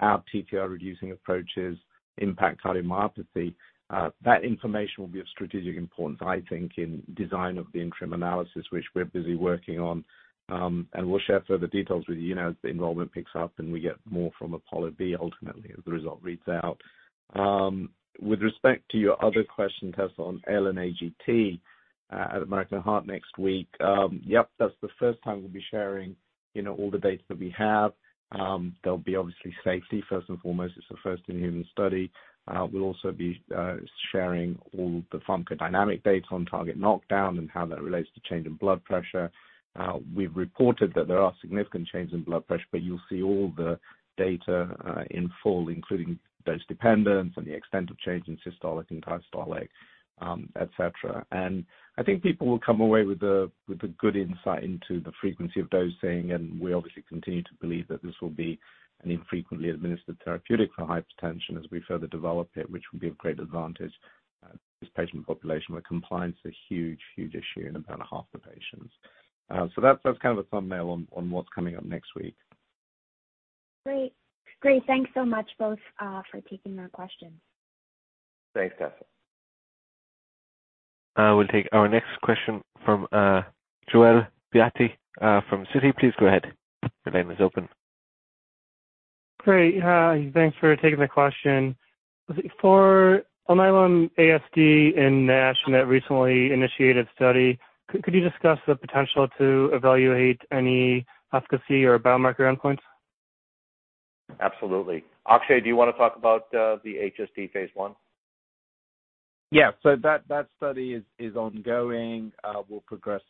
Speaker 5: our TTR-reducing approaches impact cardiomyopathy, that information will be of strategic importance, I think, in the design of the interim analysis, which we're busy working on, and we'll share further details with you as the enrollment picks up and we get more from Apollo B ultimately as the result reads out. With respect to your other question, Tess, on ALN-AGT at American Heart next week, yep, that's the first time we'll be sharing all the data that we have. There'll be obviously safety first and foremost. It's the first-in-human study. We'll also be sharing all the pharmacodynamic data on target knockdown and how that relates to change in blood pressure. We've reported that there are significant changes in blood pressure, but you'll see all the data in full, including dose dependence and the extent of change in systolic and diastolic, etc. And I think people will come away with a good insight into the frequency of dosing. And we obviously continue to believe that this will be an infrequently administered therapeutic for hypertension as we further develop it, which will be of great advantage to this patient population. But compliance is a huge, huge issue in about half the patients. So that's kind of a thumbnail on what's coming up next week.
Speaker 15: Great. Great. Thanks so much, both, for taking our questions.
Speaker 5: Thanks, Tessa.
Speaker 1: We'll take our next question from Joel Beatty from Citi. Please go ahead. Your line is open.
Speaker 16: Great. Thanks for taking the question. For ALN-APP and the AHA recently initiated study, could you discuss the potential to evaluate any efficacy or biomarker endpoints?
Speaker 3: Absolutely. Akshay, do you want to talk about the HSD phase 1?
Speaker 5: Yeah. So that study is ongoing. We'll progress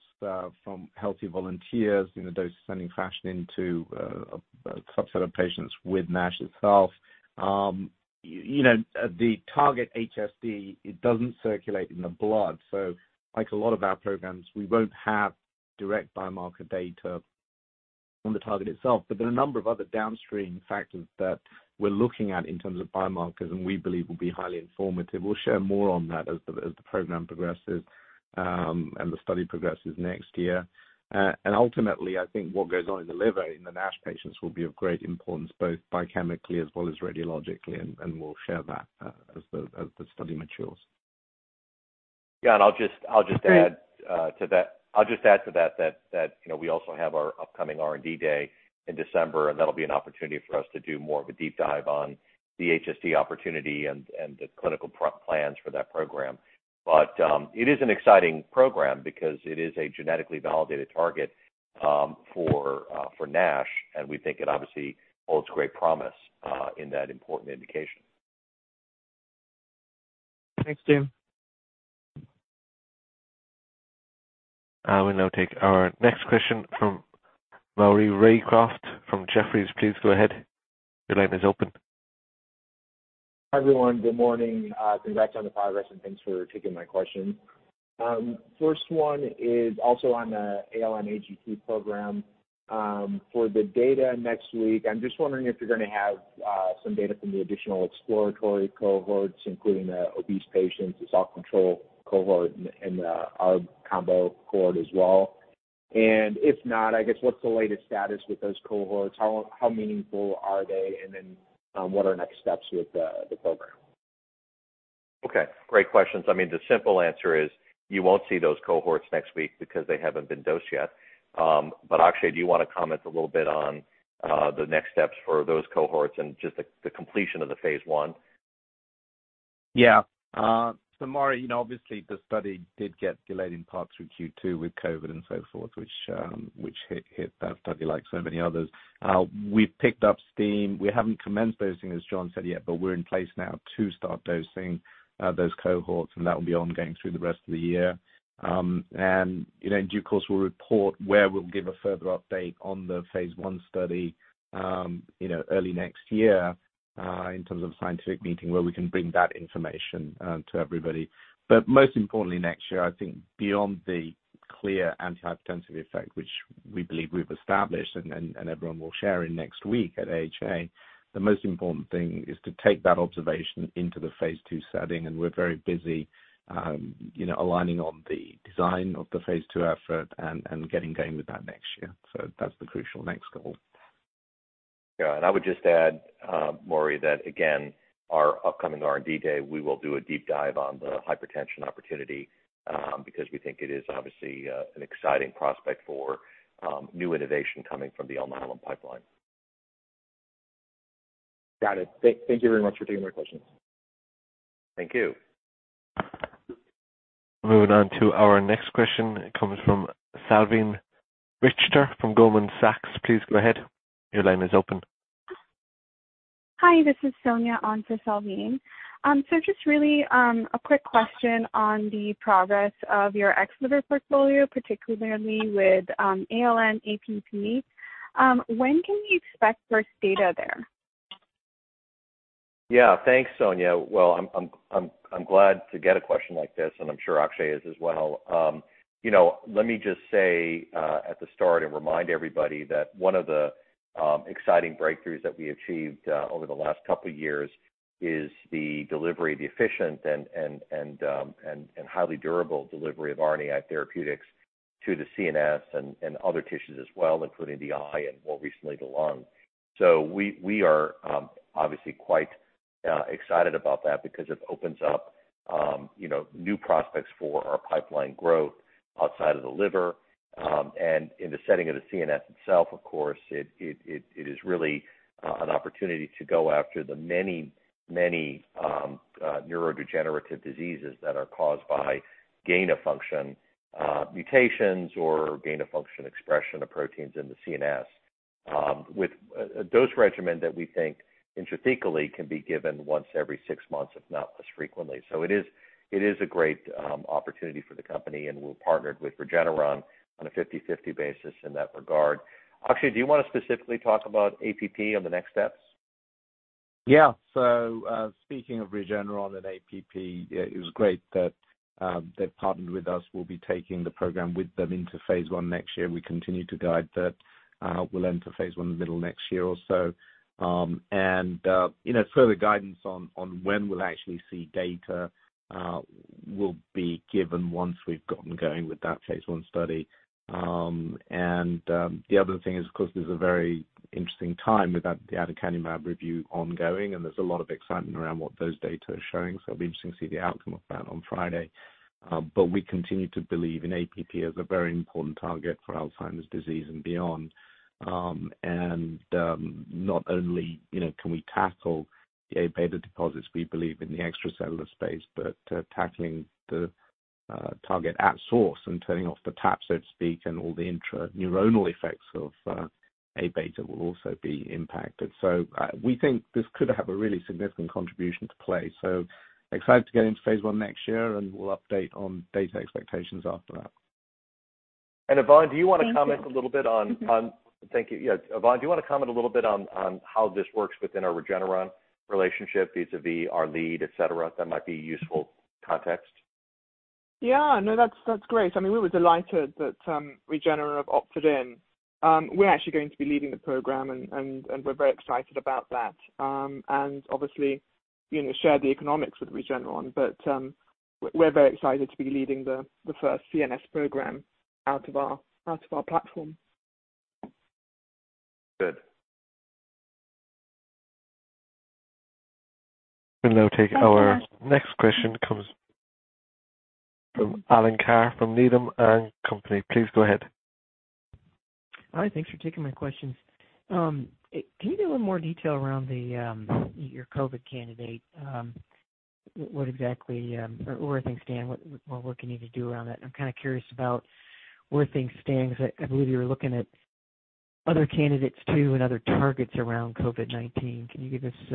Speaker 5: from healthy volunteers in a dose-dependent fashion into a subset of patients with NASH itself. The target HSD, it doesn't circulate in the blood. So like a lot of our programs, we won't have direct biomarker data on the target itself. But there are a number of other downstream factors that we're looking at in terms of biomarkers and we believe will be highly informative. We'll share more on that as the program progresses and the study progresses next year. And ultimately, I think what goes on in the liver in the NASH patients will be of great importance both biochemically as well as radiologically, and we'll share that as the study matures.
Speaker 3: Yeah, and I'll just add to that that we also have our upcoming R&D Day in December, and that'll be an opportunity for us to do more of a deep dive on the HSD opportunity and the clinical plans for that program, but it is an exciting program because it is a genetically validated target for NASH, and we think it obviously holds great promise in that important indication.
Speaker 16: Thanks, team.
Speaker 1: We'll now take our next question from Maury Raycroft from Jefferies. Please go ahead. Your line is open.
Speaker 17: Hi everyone. Good morning. Congrats on the progress, and thanks for taking my questions. First one is also on the ALN-AGT program. For the data next week, I'm just wondering if you're going to have some data from the additional exploratory cohorts, including the obese patients, the self-control cohort, and our combo cohort as well. And if not, I guess, what's the latest status with those cohorts? How meaningful are they? And then what are next steps with the program?
Speaker 3: Okay. Great questions. I mean, the simple answer is you won't see those cohorts next week because they haven't been dosed yet. But Akshay, do you want to comment a little bit on the next steps for those cohorts and just the completion of the phase one?
Speaker 5: Yeah. So Maury, obviously, the study did get delayed in part through Q2 with COVID and so forth, which hit that study like so many others. We've picked up steam. We haven't commenced dosing, as John said, yet, but we're in place now to start dosing those cohorts, and that will be ongoing through the rest of the year. And, of course, we'll report where we'll give a further update on the phase one study early next year in terms of a scientific meeting where we can bring that information to everybody. But most importantly, next year, I think beyond the clear antihypertensive effect, which we believe we've established and everyone will share it next week at AHA, the most important thing is to take that observation into the phase two setting. We're very busy aligning on the design of the phase two effort and getting going with that next year, so that's the crucial next goal.
Speaker 3: Yeah, and I would just add, Maury, that again, our upcoming R&D Day, we will do a deep dive on the hypertension opportunity because we think it is obviously an exciting prospect for new innovation coming from the Alnylam pipeline.
Speaker 17: Got it. Thank you very much for taking my questions.
Speaker 3: Thank you.
Speaker 1: Moving on to our next question. It comes from Salveen Richter from Goldman Sachs. Please go ahead. Your line is open.
Speaker 18: Hi. This is Sonya on for Salveen. So just really a quick question on the progress of your extrahepatic portfolio, particularly with ALN-APP. When can we expect first data there?
Speaker 3: Yeah. Thanks, Sonya. Well, I'm glad to get a question like this, and I'm sure Akshay is as well. Let me just say at the start and remind everybody that one of the exciting breakthroughs that we achieved over the last couple of years is the delivery, the efficient and highly durable delivery of RNAi therapeutics to the CNS and other tissues as well, including the eye and more recently the lung. So we are obviously quite excited about that because it opens up new prospects for our pipeline growth outside of the liver. And in the setting of the CNS itself, of course, it is really an opportunity to go after the many, many neurodegenerative diseases that are caused by gain-of-function mutations or gain-of-function expression of proteins in the CNS with a dose regimen that we think intrathecally can be given once every six months, if not less frequently. So it is a great opportunity for the company, and we're partnered with Regeneron on a 50/50 basis in that regard. Akshay, do you want to specifically talk about APP on the next steps?
Speaker 5: Yeah. So speaking of Regeneron and APP, it was great that they've partnered with us. We'll be taking the program with them into phase 1 next year. We continue to guide that. We'll enter phase 1 in the middle of next year or so, and further guidance on when we'll actually see data will be given once we've gotten going with that phase 1 study, and the other thing is, of course, there's a very interesting time with the Aducanumab review ongoing, and there's a lot of excitement around what those data are showing, so it'll be interesting to see the outcome of that on Friday, but we continue to believe in APP as a very important target for Alzheimer's disease and beyond. And not only can we tackle the A beta deposits, we believe in the extracellular space, but tackling the target at source and turning off the tap, so to speak, and all the intraneuronal effects of A beta will also be impacted. So we think this could have a really significant contribution to play. So excited to get into phase one next year, and we'll update on data expectations after that.
Speaker 3: And Yvonne, do you want to comment a little bit on. Thank you. Yvonne, do you want to comment a little bit on how this works within our Regeneron relationship vis-à-vis our lead, etc.? That might be useful context.
Speaker 7: Yeah. No, that's great. I mean, we were delighted that Regeneron have opted in. We're actually going to be leading the program, and we're very excited about that, and obviously share the economics with Regeneron, but we're very excited to be leading the first CNS program out of our platform.
Speaker 3: Good.
Speaker 1: We'll now take our next question comes from Alan Carr from Needham & Company. Please go ahead.
Speaker 19: Hi. Thanks for taking my questions. Can you give a little more detail around your COVID candidate? Where are things standing? What can you do around that? I'm kind of curious about where things stand because I believe you were looking at other candidates too and other targets around COVID-19. Can you give us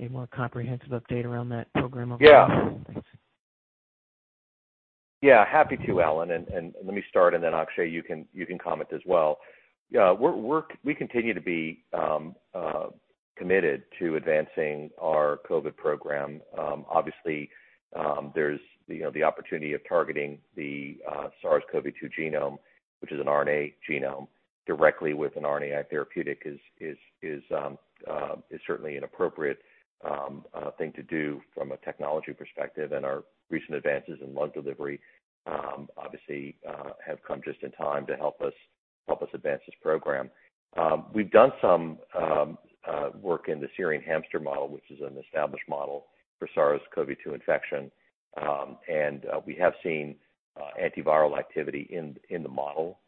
Speaker 19: a more comprehensive update around that program overall?
Speaker 3: Yeah. Yeah. Happy to, Alan. And let me start, and then Akshay, you can comment as well. We continue to be committed to advancing our COVID program. Obviously, there's the opportunity of targeting the SARS-CoV-2 genome, which is an RNA genome, directly with an RNAi therapeutic, is certainly an appropriate thing to do from a technology perspective. And our recent advances in lung delivery obviously have come just in time to help us advance this program. We've done some work in the Syrian hamster model, which is an established model for SARS-CoV-2 infection. And we have seen antiviral activity in the model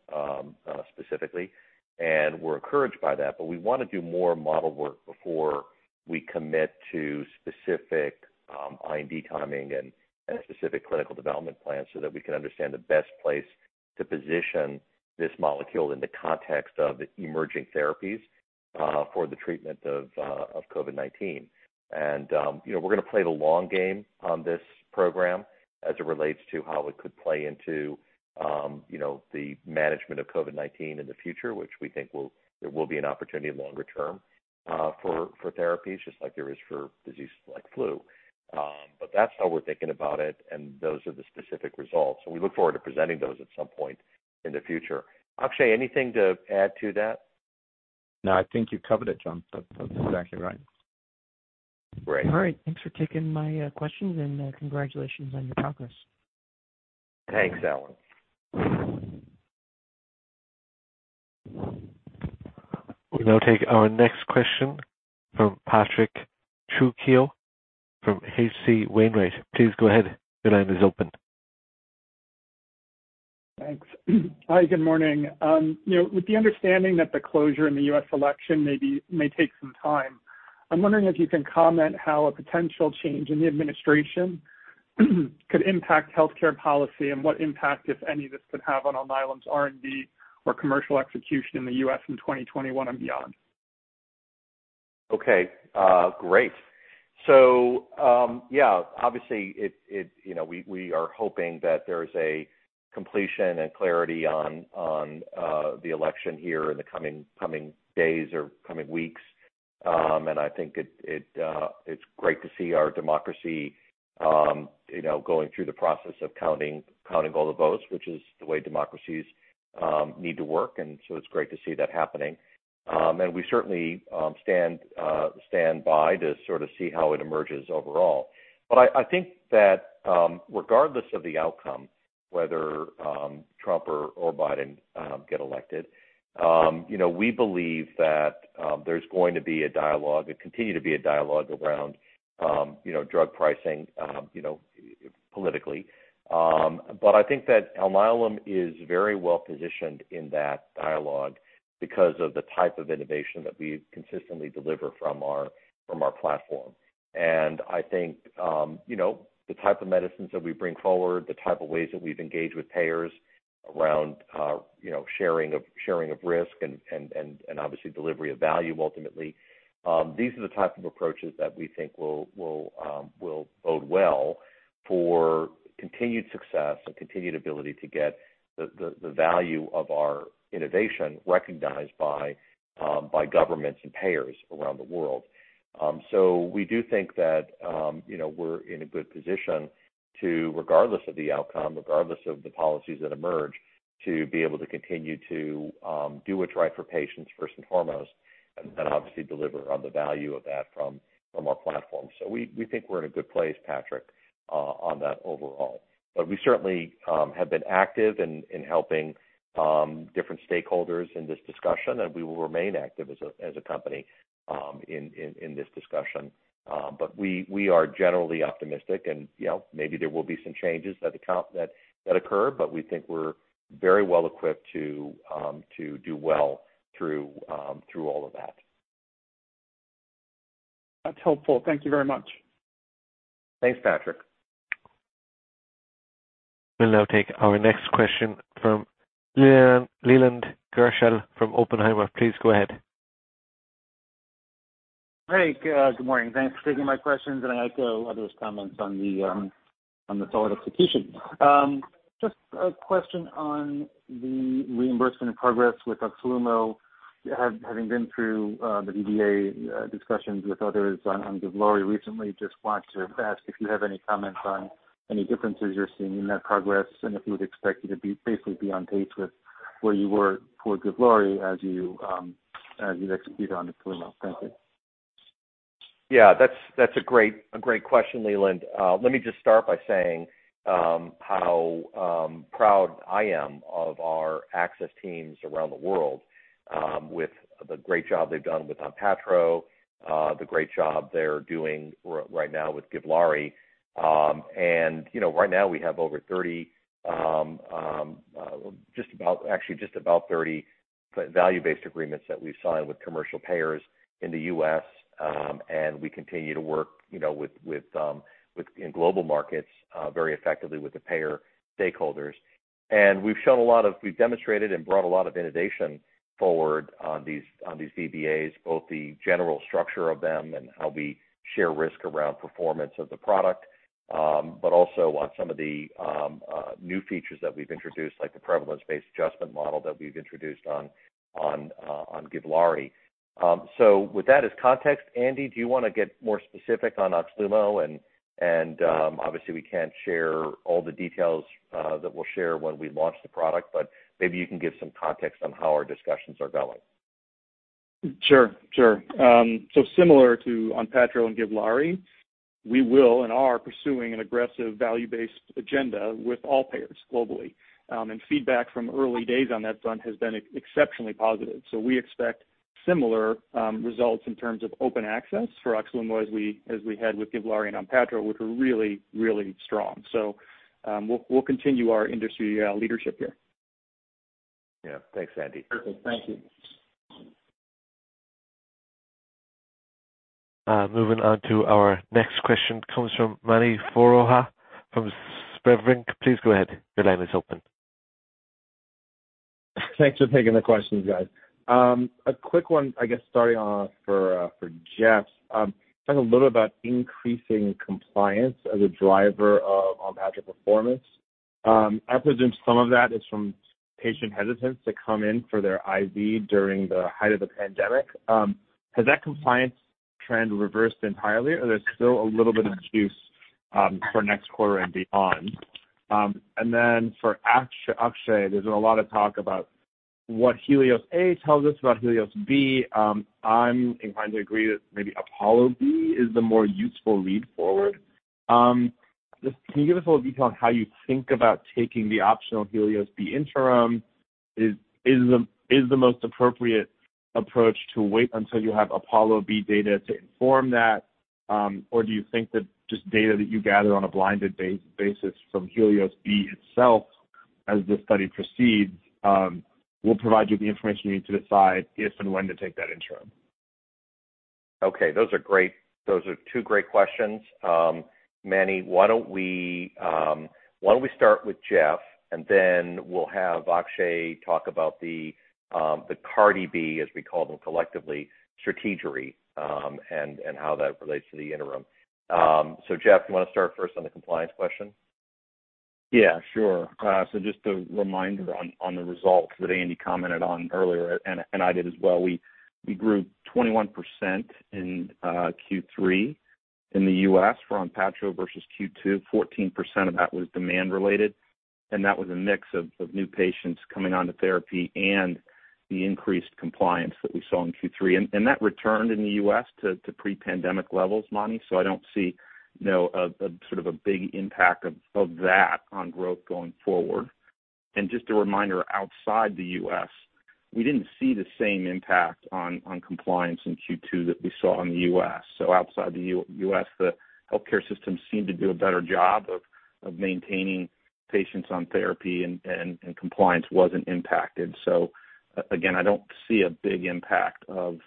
Speaker 3: specifically, and we're encouraged by that. But we want to do more model work before we commit to specific IND timing and specific clinical development plans so that we can understand the best place to position this molecule in the context of emerging therapies for the treatment of COVID-19. And we're going to play the long game on this program as it relates to how it could play into the management of COVID-19 in the future, which we think there will be an opportunity longer term for therapies, just like there is for diseases like flu. But that's how we're thinking about it, and those are the specific results. And we look forward to presenting those at some point in the future. Akshay, anything to add to that?
Speaker 5: No, I think you've covered it, John. That's exactly right.
Speaker 3: Great.
Speaker 19: All right. Thanks for taking my questions, and congratulations on your progress.
Speaker 6: Thanks, Alan.
Speaker 1: We'll now take our next question from Patrick Trucchio from H.C. Wainwright. Please go ahead. Your line is open.
Speaker 20: Thanks. Hi. Good morning. With the understanding that the closure in the U.S. election may take some time, I'm wondering if you can comment how a potential change in the administration could impact healthcare policy and what impact, if any, this could have on Alnylam's R&D or commercial execution in the U.S. in 2021 and beyond?
Speaker 3: Okay. Great. So yeah, obviously, we are hoping that there is a completion and clarity on the election here in the coming days or coming weeks. And I think it's great to see our democracy going through the process of counting all the votes, which is the way democracies need to work. And so it's great to see that happening. And we certainly stand by to sort of see how it emerges overall. But I think that regardless of the outcome, whether Trump or Biden get elected, we believe that there's going to be a dialogue and continue to be a dialogue around drug pricing politically. But I think that Alnylam is very well positioned in that dialogue because of the type of innovation that we consistently deliver from our platform. And I think the type of medicines that we bring forward, the type of ways that we've engaged with payers around sharing of risk and obviously delivery of value ultimately, these are the type of approaches that we think will bode well for continued success and continued ability to get the value of our innovation recognized by governments and payers around the world. So we do think that we're in a good position to, regardless of the outcome, regardless of the policies that emerge, to be able to continue to do what's right for patients first and foremost and obviously deliver on the value of that from our platform. So we think we're in a good place, Patrick, on that overall. But we certainly have been active in helping different stakeholders in this discussion, and we will remain active as a company in this discussion. But we are generally optimistic, and maybe there will be some changes that occur, but we think we're very well equipped to do well through all of that.
Speaker 20: That's helpful. Thank you very much.
Speaker 3: Thanks, Patrick.
Speaker 1: We'll now take our next question from Leland Gershell from Oppenheimer. Please go ahead.
Speaker 21: Hi. Good morning. Thanks for taking my questions, and I echo others' comments on the solid execution. Just a question on the reimbursement progress with Oxlumo, having been through the VBA discussions with others on Givlaari. Recently, just wanted to ask if you have any comments on any differences you're seeing in that progress and if you would expect you to basically be on pace with where you were for Givlaari as you execute on Oxlumo. Thank you.
Speaker 3: Yeah. That's a great question, Leland. Let me just start by saying how proud I am of our access teams around the world with the great job they've done with Onpattro, the great job they're doing right now with Givlaari. And right now, we have over 30, actually just about 30 value-based agreements that we've signed with commercial payers in the U.S., and we continue to work in global markets very effectively with the payer stakeholders. And we've demonstrated and brought a lot of innovation forward on these VBAs, both the general structure of them and how we share risk around performance of the product, but also on some of the new features that we've introduced, like the prevalence-based adjustment model that we've introduced on Givlaari. So with that as context, Andy, do you want to get more specific on Oxlumo? Obviously, we can't share all the details that we'll share when we launch the product, but maybe you can give some context on how our discussions are going.
Speaker 4: Sure. Sure. So similar to Onpattro and Givlaari, we will and are pursuing an aggressive value-based agenda with all payers globally. And feedback from early days on that front has been exceptionally positive. So we expect similar results in terms of open access for Oxlumo as we had with Givlaari and Onpattro, which were really, really strong. So we'll continue our industry leadership here.
Speaker 3: Yeah. Thanks, Andy.
Speaker 21: Perfect. Thank you.
Speaker 1: Moving on to our next question comes from Mani Foroohar from SVB Leerink. Please go ahead. Your line is open.
Speaker 22: Thanks for taking the question, guys. A quick one, I guess, starting off for Jeff. Talk a little about increasing compliance as a driver of Onpattro performance. I presume some of that is from patient hesitance to come in for their IV during the height of the pandemic. Has that compliance trend reversed entirely, or there's still a little bit of juice for next quarter and beyond? And then for Akshay, there's been a lot of talk about what Helios A tells us about Helios B. I'm inclined to agree that maybe Apollo B is the more useful read forward. Can you give us a little detail on how you think about taking the optional Helios B interim? Is the most appropriate approach to wait until you have Apollo B data to inform that, or do you think that just data that you gather on a blinded basis from Helios B itself, as the study proceeds, will provide you with the information you need to decide if and when to take that interim?
Speaker 3: Okay. Those are two great questions. Mani, why don't we start with Jeff, and then we'll have Akshay talk about the Cardi B, as we call them collectively, strategery, and how that relates to the interim. So Jeff, do you want to start first on the compliance question?
Speaker 6: Yeah. Sure, so just a reminder on the results that Andy commented on earlier, and I did as well. We grew 21% in Q3 in the U.S. for Onpattro versus Q2. 14% of that was demand-related, and that was a mix of new patients coming onto therapy and the increased compliance that we saw in Q3, and that returned in the U.S. to pre-pandemic levels, Mani. So I don't see sort of a big impact of that on growth going forward, and just a reminder, outside the U.S., we didn't see the same impact on compliance in Q2 that we saw in the U.S., so outside the U.S., the healthcare system seemed to do a better job of maintaining patients on therapy, and compliance wasn't impacted, so again, I don't see a big impact of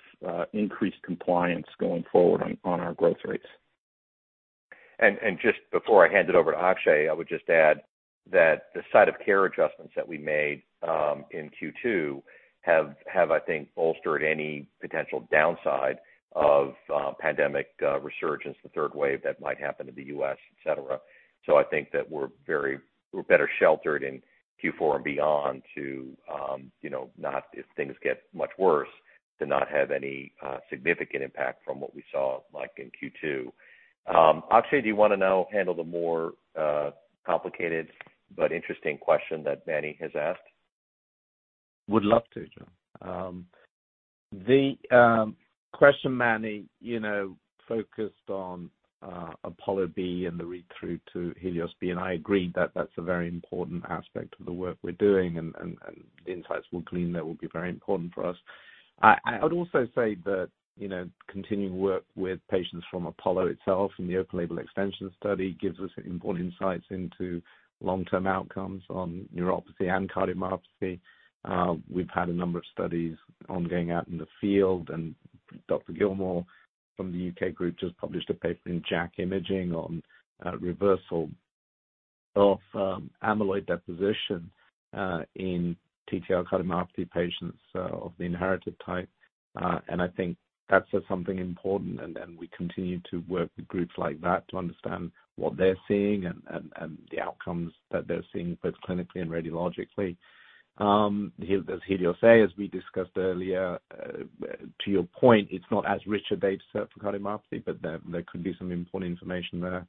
Speaker 6: increased compliance going forward on our growth rates.
Speaker 3: And just before I hand it over to Akshay, I would just add that the site-of-care adjustments that we made in Q2 have, I think, bolstered any potential downside of pandemic resurgence, the third wave that might happen in the U.S., etc. So I think that we're better sheltered in Q4 and beyond to not, if things get much worse, to not have any significant impact from what we saw in Q2. Akshay, do you want to now handle the more complicated but interesting question that Mani has asked?
Speaker 5: Would love to, John. The question, Mani, focused on Apollo B and the read-through to Helios B, and I agree that that's a very important aspect of the work we're doing, and the insights we'll glean there will be very important for us. I would also say that continuing work with patients from Apollo itself and the open-label extension study gives us important insights into long-term outcomes on neuropathy and cardiomyopathy. We've had a number of studies ongoing out in the field, and Dr. Gillmore from the U.K. group just published a paper in JACC Imaging on reversal of amyloid deposition in ATTR cardiomyopathy patients of the inherited type, and I think that says something important, and then we continue to work with groups like that to understand what they're seeing and the outcomes that they're seeing both clinically and radiologically. There's Helios A, as we discussed earlier. To your point, it's not as rich a data set for cardiomyopathy, but there could be some important information there.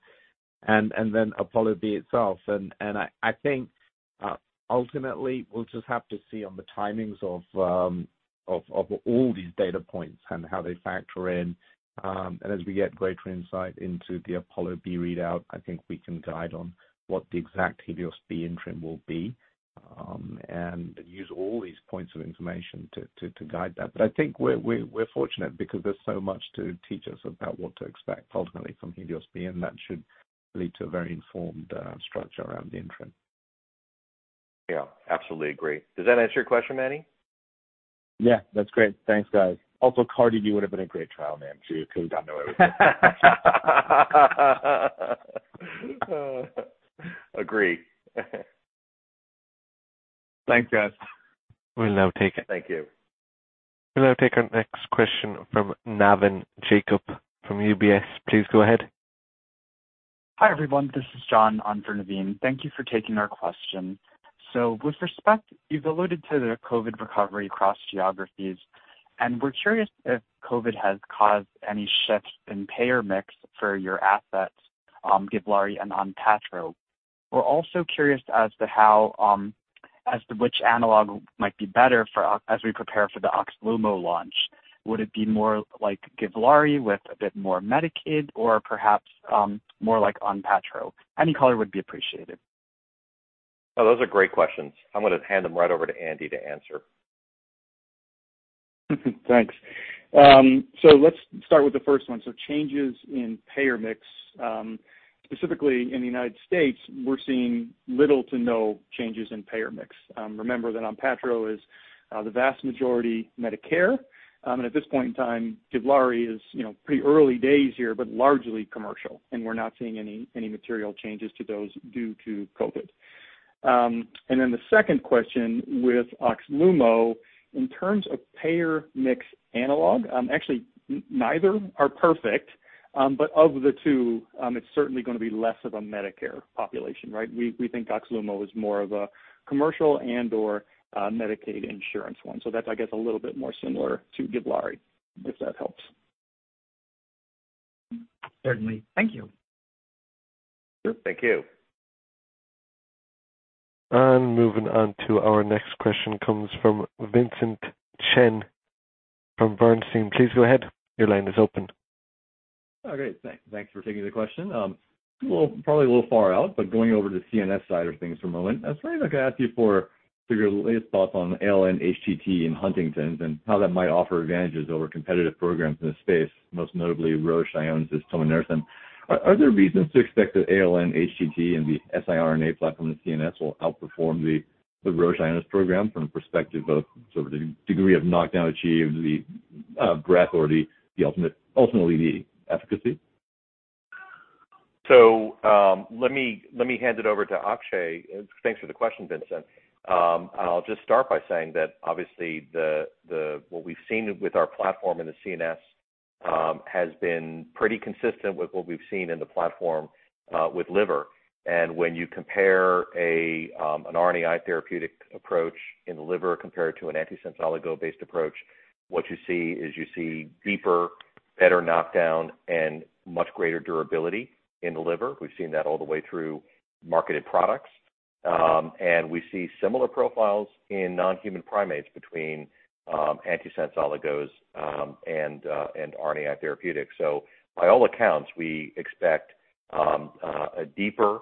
Speaker 5: And then Apollo B itself. And I think ultimately, we'll just have to see on the timings of all these data points and how they factor in. And as we get greater insight into the Apollo B readout, I think we can guide on what the exact Helios B interim will be and use all these points of information to guide that. But I think we're fortunate because there's so much to teach us about what to expect ultimately from Helios B, and that should lead to a very informed structure around the interim.
Speaker 3: Yeah. Absolutely agree. Does that answer your question, Mani?
Speaker 22: Yeah. That's great. Thanks, guys. Also Cardi, you would have been a great trial man too if you got no errors.
Speaker 3: Agree.
Speaker 22: Thanks, guys.
Speaker 3: We'll now take it. Thank you.
Speaker 1: We'll now take our next question from Navin Jacob from UBS. Please go ahead.
Speaker 23: Hi everyone. This is John on for Navin. Thank you for taking our question. So with respect, you've alluded to the COVID recovery across geographies, and we're curious if COVID has caused any shifts in payer mix for your assets, Givlaari and Onpattro. We're also curious as to which analog might be better as we prepare for the Oxlumo launch. Would it be more like Givlaari with a bit more Medicaid or perhaps more like Onpattro? Any color would be appreciated.
Speaker 3: Oh, those are great questions. I'm going to hand them right over to Andy to answer.
Speaker 4: Thanks. So let's start with the first one. So changes in payer mix. Specifically, in the United States, we're seeing little to no changes in payer mix. Remember that Onpattro is the vast majority Medicare, and at this point in time, Givlaari is pretty early days here, but largely commercial, and we're not seeing any material changes to those due to COVID. And then the second question with Oxlumo, in terms of payer mix analog, actually neither are perfect, but of the two, it's certainly going to be less of a Medicare population, right? We think Oxlumo is more of a commercial and/or Medicaid insurance one. So that's, I guess, a little bit more similar to Givlaari, if that helps.
Speaker 23: Certainly. Thank you.
Speaker 3: Sure. Thank you.
Speaker 1: Moving on to our next question comes from Vincent Chen from Bernstein. Please go ahead. Your line is open.
Speaker 24: Oh, great. Thanks for taking the question. Well, probably a little far out, but going over to the CNS side of things for a moment, I was wondering if I could ask you for your latest thoughts on ALN-HTT in Huntington and how that might offer advantages over competitive programs in the space, most notably Roche Ionis tominersen. Are there reasons to expect that ALN-HTT and the siRNA platform in CNS will outperform the Roche Ionis program from the perspective of the degree of knockdown achieved, the breadth, or ultimately the efficacy?
Speaker 3: So let me hand it over to Akshay. Thanks for the question, Vincent. I'll just start by saying that, obviously, what we've seen with our platform in the CNS has been pretty consistent with what we've seen in the platform with liver. And when you compare an RNAi therapeutic approach in the liver compared to an antisense oligo based approach, what you see is you see deeper, better knockdown, and much greater durability in the liver. We've seen that all the way through marketed products, and we see similar profiles in non-human primates between antisense oligos and RNAi therapeutics. So by all accounts, we expect a deeper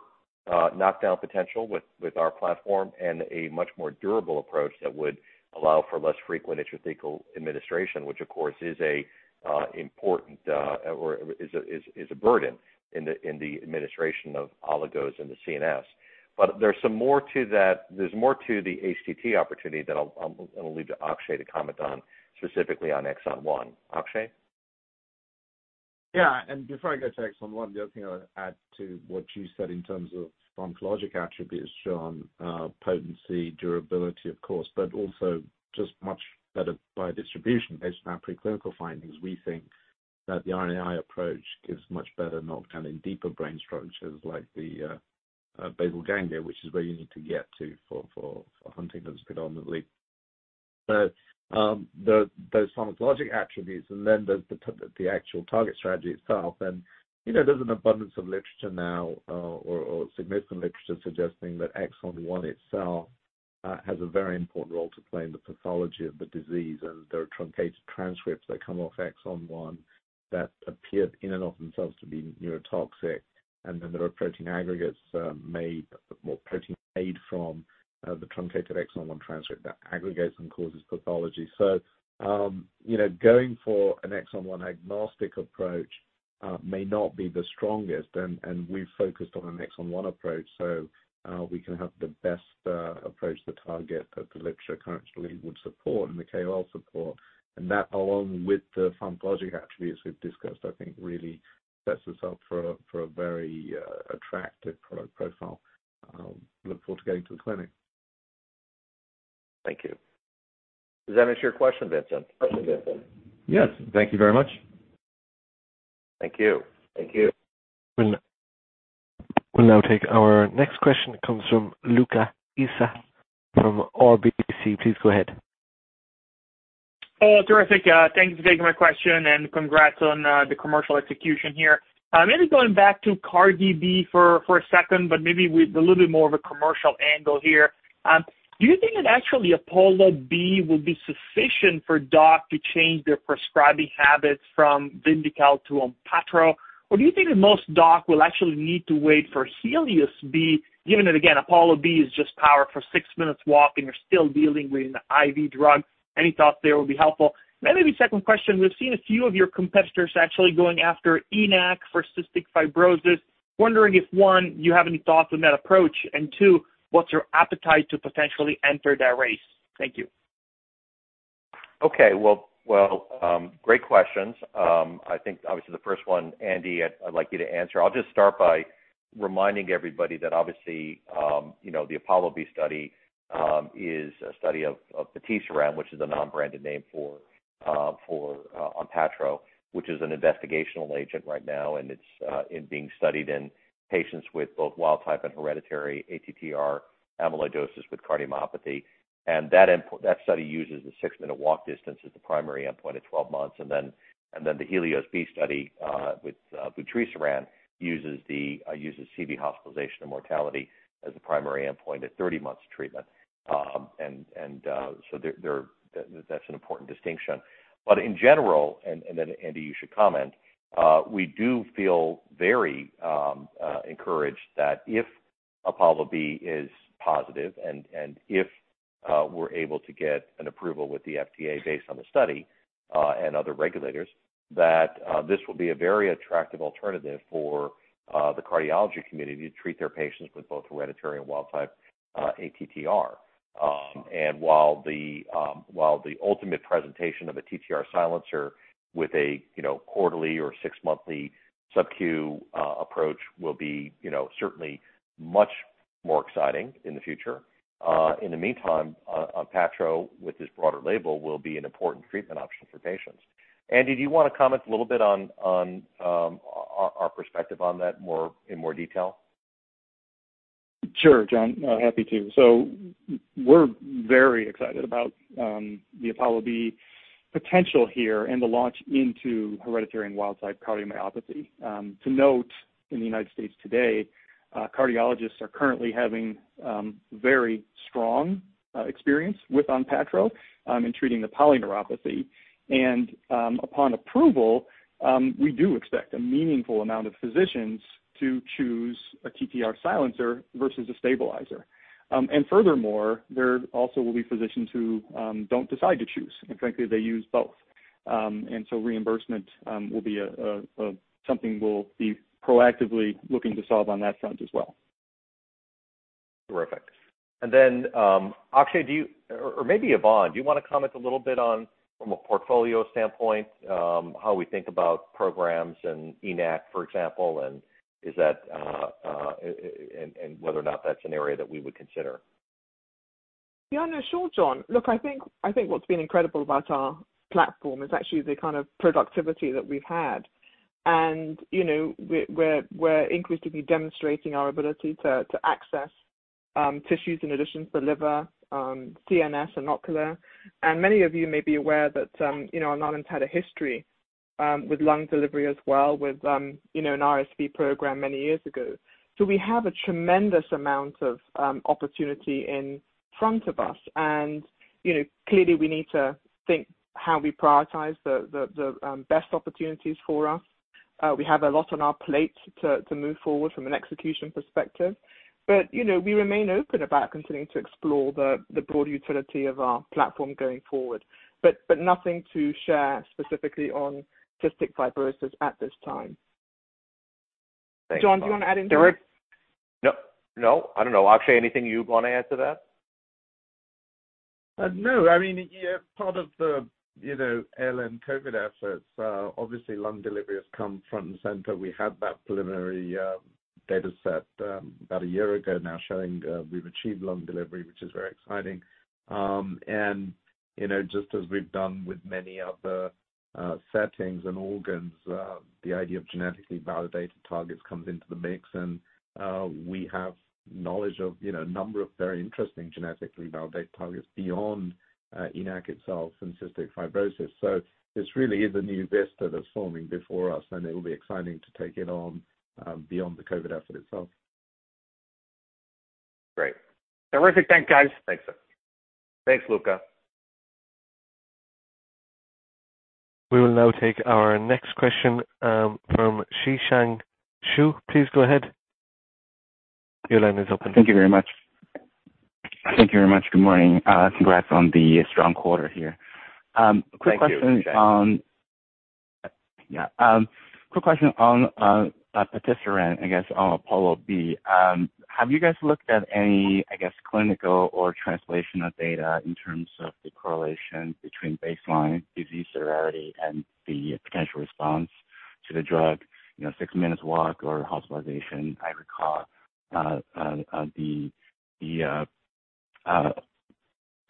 Speaker 3: knockdown potential with our platform and a much more durable approach that would allow for less frequent intrathecal administration, which, of course, is an important or is a burden in the administration of oligos in the CNS. But there's some more to that. There's more to the HTT opportunity that I'll leave to Akshay to comment on specifically on Exon 1. Akshay?
Speaker 5: Yeah. And before I go to Exon 1, the other thing I'll add to what you said in terms of pharmacologic attributes, John, potency, durability, of course, but also just much better biodistribution based on our preclinical findings. We think that the RNAi approach gives much better knockdown in deeper brain structures like the basal ganglia, which is where you need to get to for Huntington's predominantly. So those pharmacologic attributes, and then there's the actual target strategy itself. And there's an abundance of literature now or significant literature suggesting that Exon 1 itself has a very important role to play in the pathology of the disease. And there are truncated transcripts that come off Exon 1 that appear in and of themselves to be neurotoxic, and then there are protein aggregates made from the truncated Exon 1 transcript that aggregates and causes pathology. Going for an Exon 1 agnostic approach may not be the strongest, and we've focused on an Exon 1 approach so we can have the best approach, the target that the literature currently would support and the KOL support. That, along with the pharmacologic attributes we've discussed, I think really sets us up for a very attractive product profile. Look forward to getting to the clinic.
Speaker 3: Thank you. Does that answer your question, Vincent? Question, Vincent?
Speaker 24: Yes. Thank you very much.
Speaker 3: Thank you.
Speaker 5: Thank you.
Speaker 1: We'll now take our next question. It comes from Luca Issi from RBC. Please go ahead.
Speaker 25: Hey, terrific. Thank you for taking my question, and congrats on the commercial execution here. Maybe going back to cardiomyopathy for a second, but maybe with a little bit more of a commercial angle here. Do you think that actually Apollo B will be sufficient for docs to change their prescribing habits from Vyndaqel to Onpattro, or do you think that most docs will actually need to wait for Helios B, given that, again, Apollo B is just powered for six-minute walk and you're still dealing with an IV drug? Any thoughts there would be helpful? And maybe second question, we've seen a few of your competitors actually going after ENaC for cystic fibrosis. Wondering if, one, you have any thoughts on that approach, and two, what's your appetite to potentially enter that race? Thank you.
Speaker 3: Okay. Well, great questions. I think, obviously, the first one, Andy, I'd like you to answer. I'll just start by reminding everybody that, obviously, the Apollo B study is a study of patisiran, which is the non-branded name for Onpattro, which is an investigational agent right now, and it's being studied in patients with both wild-type and hereditary ATTR amyloidosis with cardiomyopathy, and that study uses the six-minute walk distance as the primary endpoint at 12 months, and then the Helios B study with vutrisiran uses CV hospitalization and mortality as the primary endpoint at 30 months of treatment, and so that's an important distinction. But in general, and then, Andy, you should comment. We do feel very encouraged that if Apollo B is positive and if we're able to get an approval with the FDA based on the study and other regulators, that this will be a very attractive alternative for the cardiology community to treat their patients with both hereditary and wild-type ATTR. And while the ultimate presentation of a TTR silencer with a quarterly or six-monthly sub-Q approach will be certainly much more exciting in the future, in the meantime, Onpattro, with this broader label, will be an important treatment option for patients. Andy, do you want to comment a little bit on our perspective on that in more detail?
Speaker 4: Sure, John. Happy to. We're very excited about the Apollo B potential here and the launch into hereditary and wild-type cardiomyopathy. To note, in the United States today, cardiologists are currently having very strong experience with Onpattro in treating the polyneuropathy. Upon approval, we do expect a meaningful amount of physicians to choose a TTR silencer versus a stabilizer. Furthermore, there also will be physicians who don't decide to choose. Frankly, they use both. Reimbursement will be something we'll be proactively looking to solve on that front as well.
Speaker 3: Perfect. And then, Akshay, or maybe Yvonne, do you want to comment a little bit on, from a portfolio standpoint, how we think about programs and ENaC, for example, and whether or not that's an area that we would consider?
Speaker 7: Yeah. Now, sure, John. Look, I think what's been incredible about our platform is actually the kind of productivity that we've had. And we're increasingly demonstrating our ability to access tissues in addition to the liver, CNS, and ocular. And many of you may be aware that I've not entirely had a history with lung delivery as well with an RSV program many years ago. So we have a tremendous amount of opportunity in front of us. And clearly, we need to think how we prioritize the best opportunities for us. We have a lot on our plate to move forward from an execution perspective. But we remain open about continuing to explore the broader utility of our platform going forward, but nothing to share specifically on cystic fibrosis at this time. John, do you want to add anything?
Speaker 3: Nope. No. I don't know. Akshay, anything you want to add to that?
Speaker 5: No. I mean, part of the ALN-COVID efforts, obviously, lung delivery has come front and center. We had that preliminary data set about a year ago now showing we've achieved lung delivery, which is very exciting. And just as we've done with many other settings and organs, the idea of genetically validated targets comes into the mix. And we have knowledge of a number of very interesting genetically validated targets beyond ENaC itself and cystic fibrosis. So this really is a new vista that's forming before us, and it will be exciting to take it on beyond the COVID effort itself.
Speaker 3: Great.
Speaker 25: Terrific. Thanks, guys.
Speaker 3: Thanks, sir. Thanks, Luca.
Speaker 1: We will now take our next question from Zhiqiang Shu. Please go ahead. Your line is open.
Speaker 26: Thank you very much. Good morning. Congrats on the strong quarter here.
Speaker 3: Thank you.
Speaker 26: Quick question on patisiran, I guess, on Apollo B. Have you guys looked at any, I guess, clinical or translational data in terms of the correlation between baseline disease severity and the potential response to the drug, six-minute walk or hospitalization? I recall the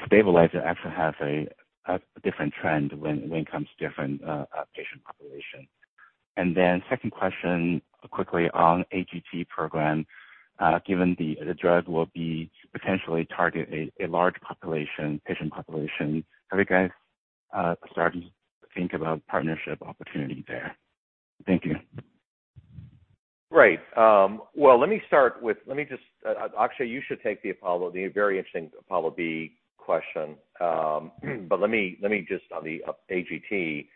Speaker 26: stabilizer actually has a different trend when it comes to different patient populations. And then second question, quickly, on HTT program, given the drug will be potentially targeting a large patient population, have you guys started to think about partnership opportunity there? Thank you.
Speaker 3: Right. Well, let me start with, Akshay, you should take the very interesting Apollo B question. But let me just, on the HTT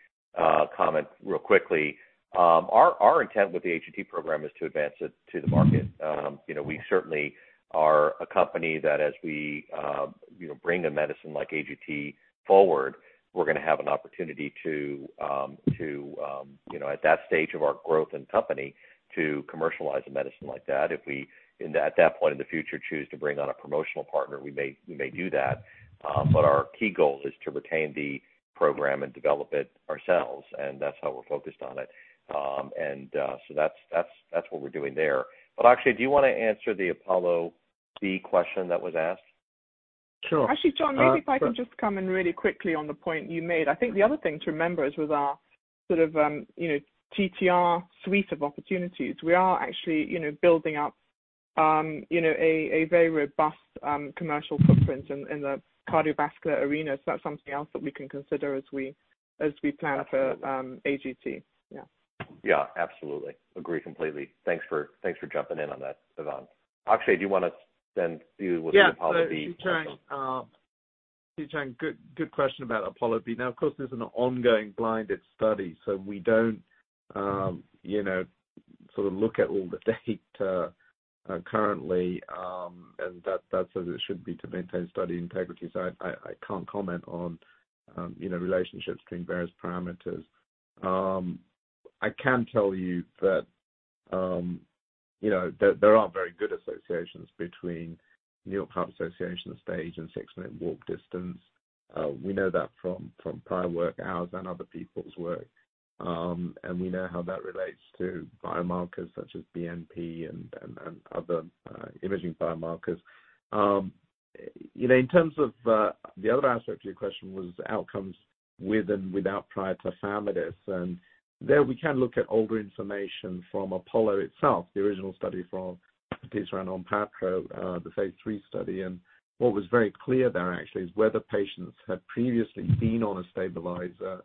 Speaker 3: comment, real quickly, our intent with the HTT program is to advance it to the market. We certainly are a company that, as we bring a medicine like HTT forward, we're going to have an opportunity to, at that stage of our growth and company, to commercialize a medicine like that. If we, at that point in the future, choose to bring on a promotional partner, we may do that. But our key goal is to retain the program and develop it ourselves. And that's how we're focused on it. And so that's what we're doing there. But Akshay, do you want to answer the Apollo B question that was asked?
Speaker 5: Sure.
Speaker 7: Actually, John, maybe if I can just come in really quickly on the point you made. I think the other thing to remember is with our sort of TTR suite of opportunities, we are actually building up a very robust commercial footprint in the cardiovascular arena. So that's something else that we can consider as we plan for HTT. Yeah.
Speaker 3: Yeah. Absolutely. Agree completely. Thanks for jumping in on that, Yvonne. Akshay, do you want to then deal with the Apollo B?
Speaker 5: Yeah. Good question about Apollo B. Now, of course, there's an ongoing blinded study. So we don't sort of look at all the data currently, and that's as it should be to maintain study integrity. So I can't comment on relationships between various parameters. I can tell you that there are very good associations between New York Heart Association stage and six-minute walk distance. We know that from prior work, ours and other people's work. And we know how that relates to biomarkers such as BNP and other imaging biomarkers. In terms of the other aspect of your question was outcomes with and without prior tafamidis. And there, we can look at older information from Apollo itself, the original study from patisiran, Onpattro, the phase three study. And what was very clear there, actually, is where the patients had previously been on a stabilizer,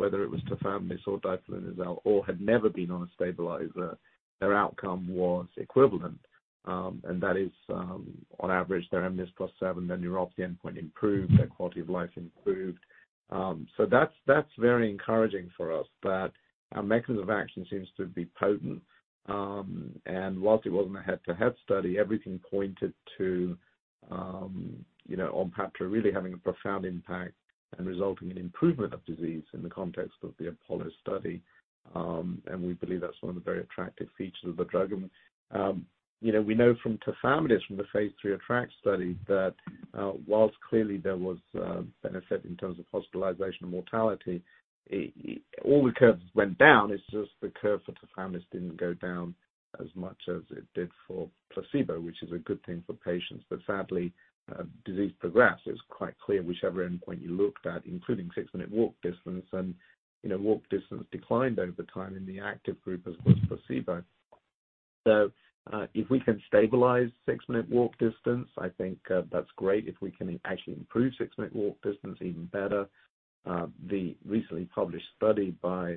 Speaker 5: whether it was tafamidis or diflunisal, or had never been on a stabilizer, their outcome was equivalent. And that is, on average, their mNIS+7, their neuropathy endpoint improved, their quality of life improved. So that's very encouraging for us that our mechanism of action seems to be potent. And while it wasn't a head-to-head study, everything pointed to Onpattro really having a profound impact and resulting in improvement of disease in the context of the Apollo study. And we believe that's one of the very attractive features of the drug. We know from tafamidis, from the phase three ATTR-ACT study, that while clearly there was benefit in terms of hospitalization and mortality, all the curves went down. It's just the curve for tafamidis didn't go down as much as it did for placebo, which is a good thing for patients. But sadly, disease progressed. It was quite clear whichever endpoint you looked at, including six-minute walk distance, and walk distance declined over time in the active group as opposed to placebo. So if we can stabilize six-minute walk distance, I think that's great. If we can actually improve six-minute walk distance, even better. The recently published study by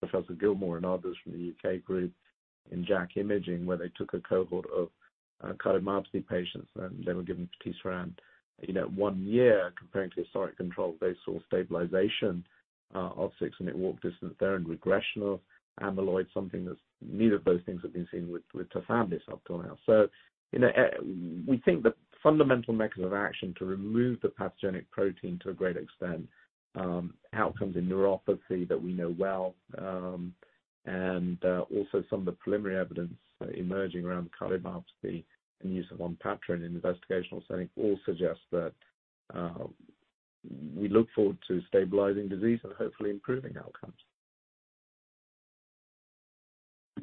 Speaker 5: Professor Gillmore and others from the UK group in JACC Imaging, where they took a cohort of cardiomyopathy patients and they were given patisiran one year, comparing to historic control, they saw stabilization of six-minute walk distance there and regression of amyloid, something that neither of those things have been seen with tafamidis up till now. So, we think the fundamental mechanism of action to remove the pathogenic protein to a great extent, outcomes in neuropathy that we know well, and also some of the preliminary evidence emerging around cardiomyopathy and use of Onpattro in an investigational setting all suggest that we look forward to stabilizing disease and hopefully improving outcomes.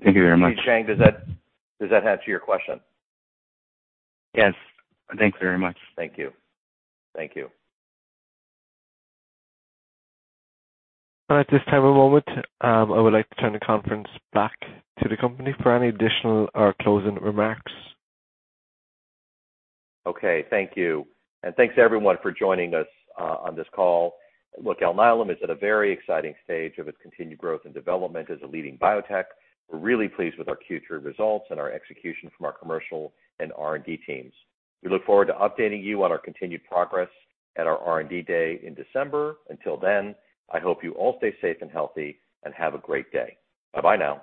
Speaker 8: Thank you very much.
Speaker 3: Zhiqiang, does that add to your question?
Speaker 26: Yes. Thank you very much.
Speaker 3: Thank you. Thank you.
Speaker 1: At this time, one moment. I would like to turn the conference back to the company for any additional or closing remarks.
Speaker 3: Okay. Thank you. And thanks to everyone for joining us on this call. Look, Alnylam is at a very exciting stage of its continued growth and development as a leading biotech. We're really pleased with our Q3 results and our execution from our commercial and R&D teams. We look forward to updating you on our continued progress at our R&D Day in December. Until then, I hope you all stay safe and healthy and have a great day. Bye-bye now.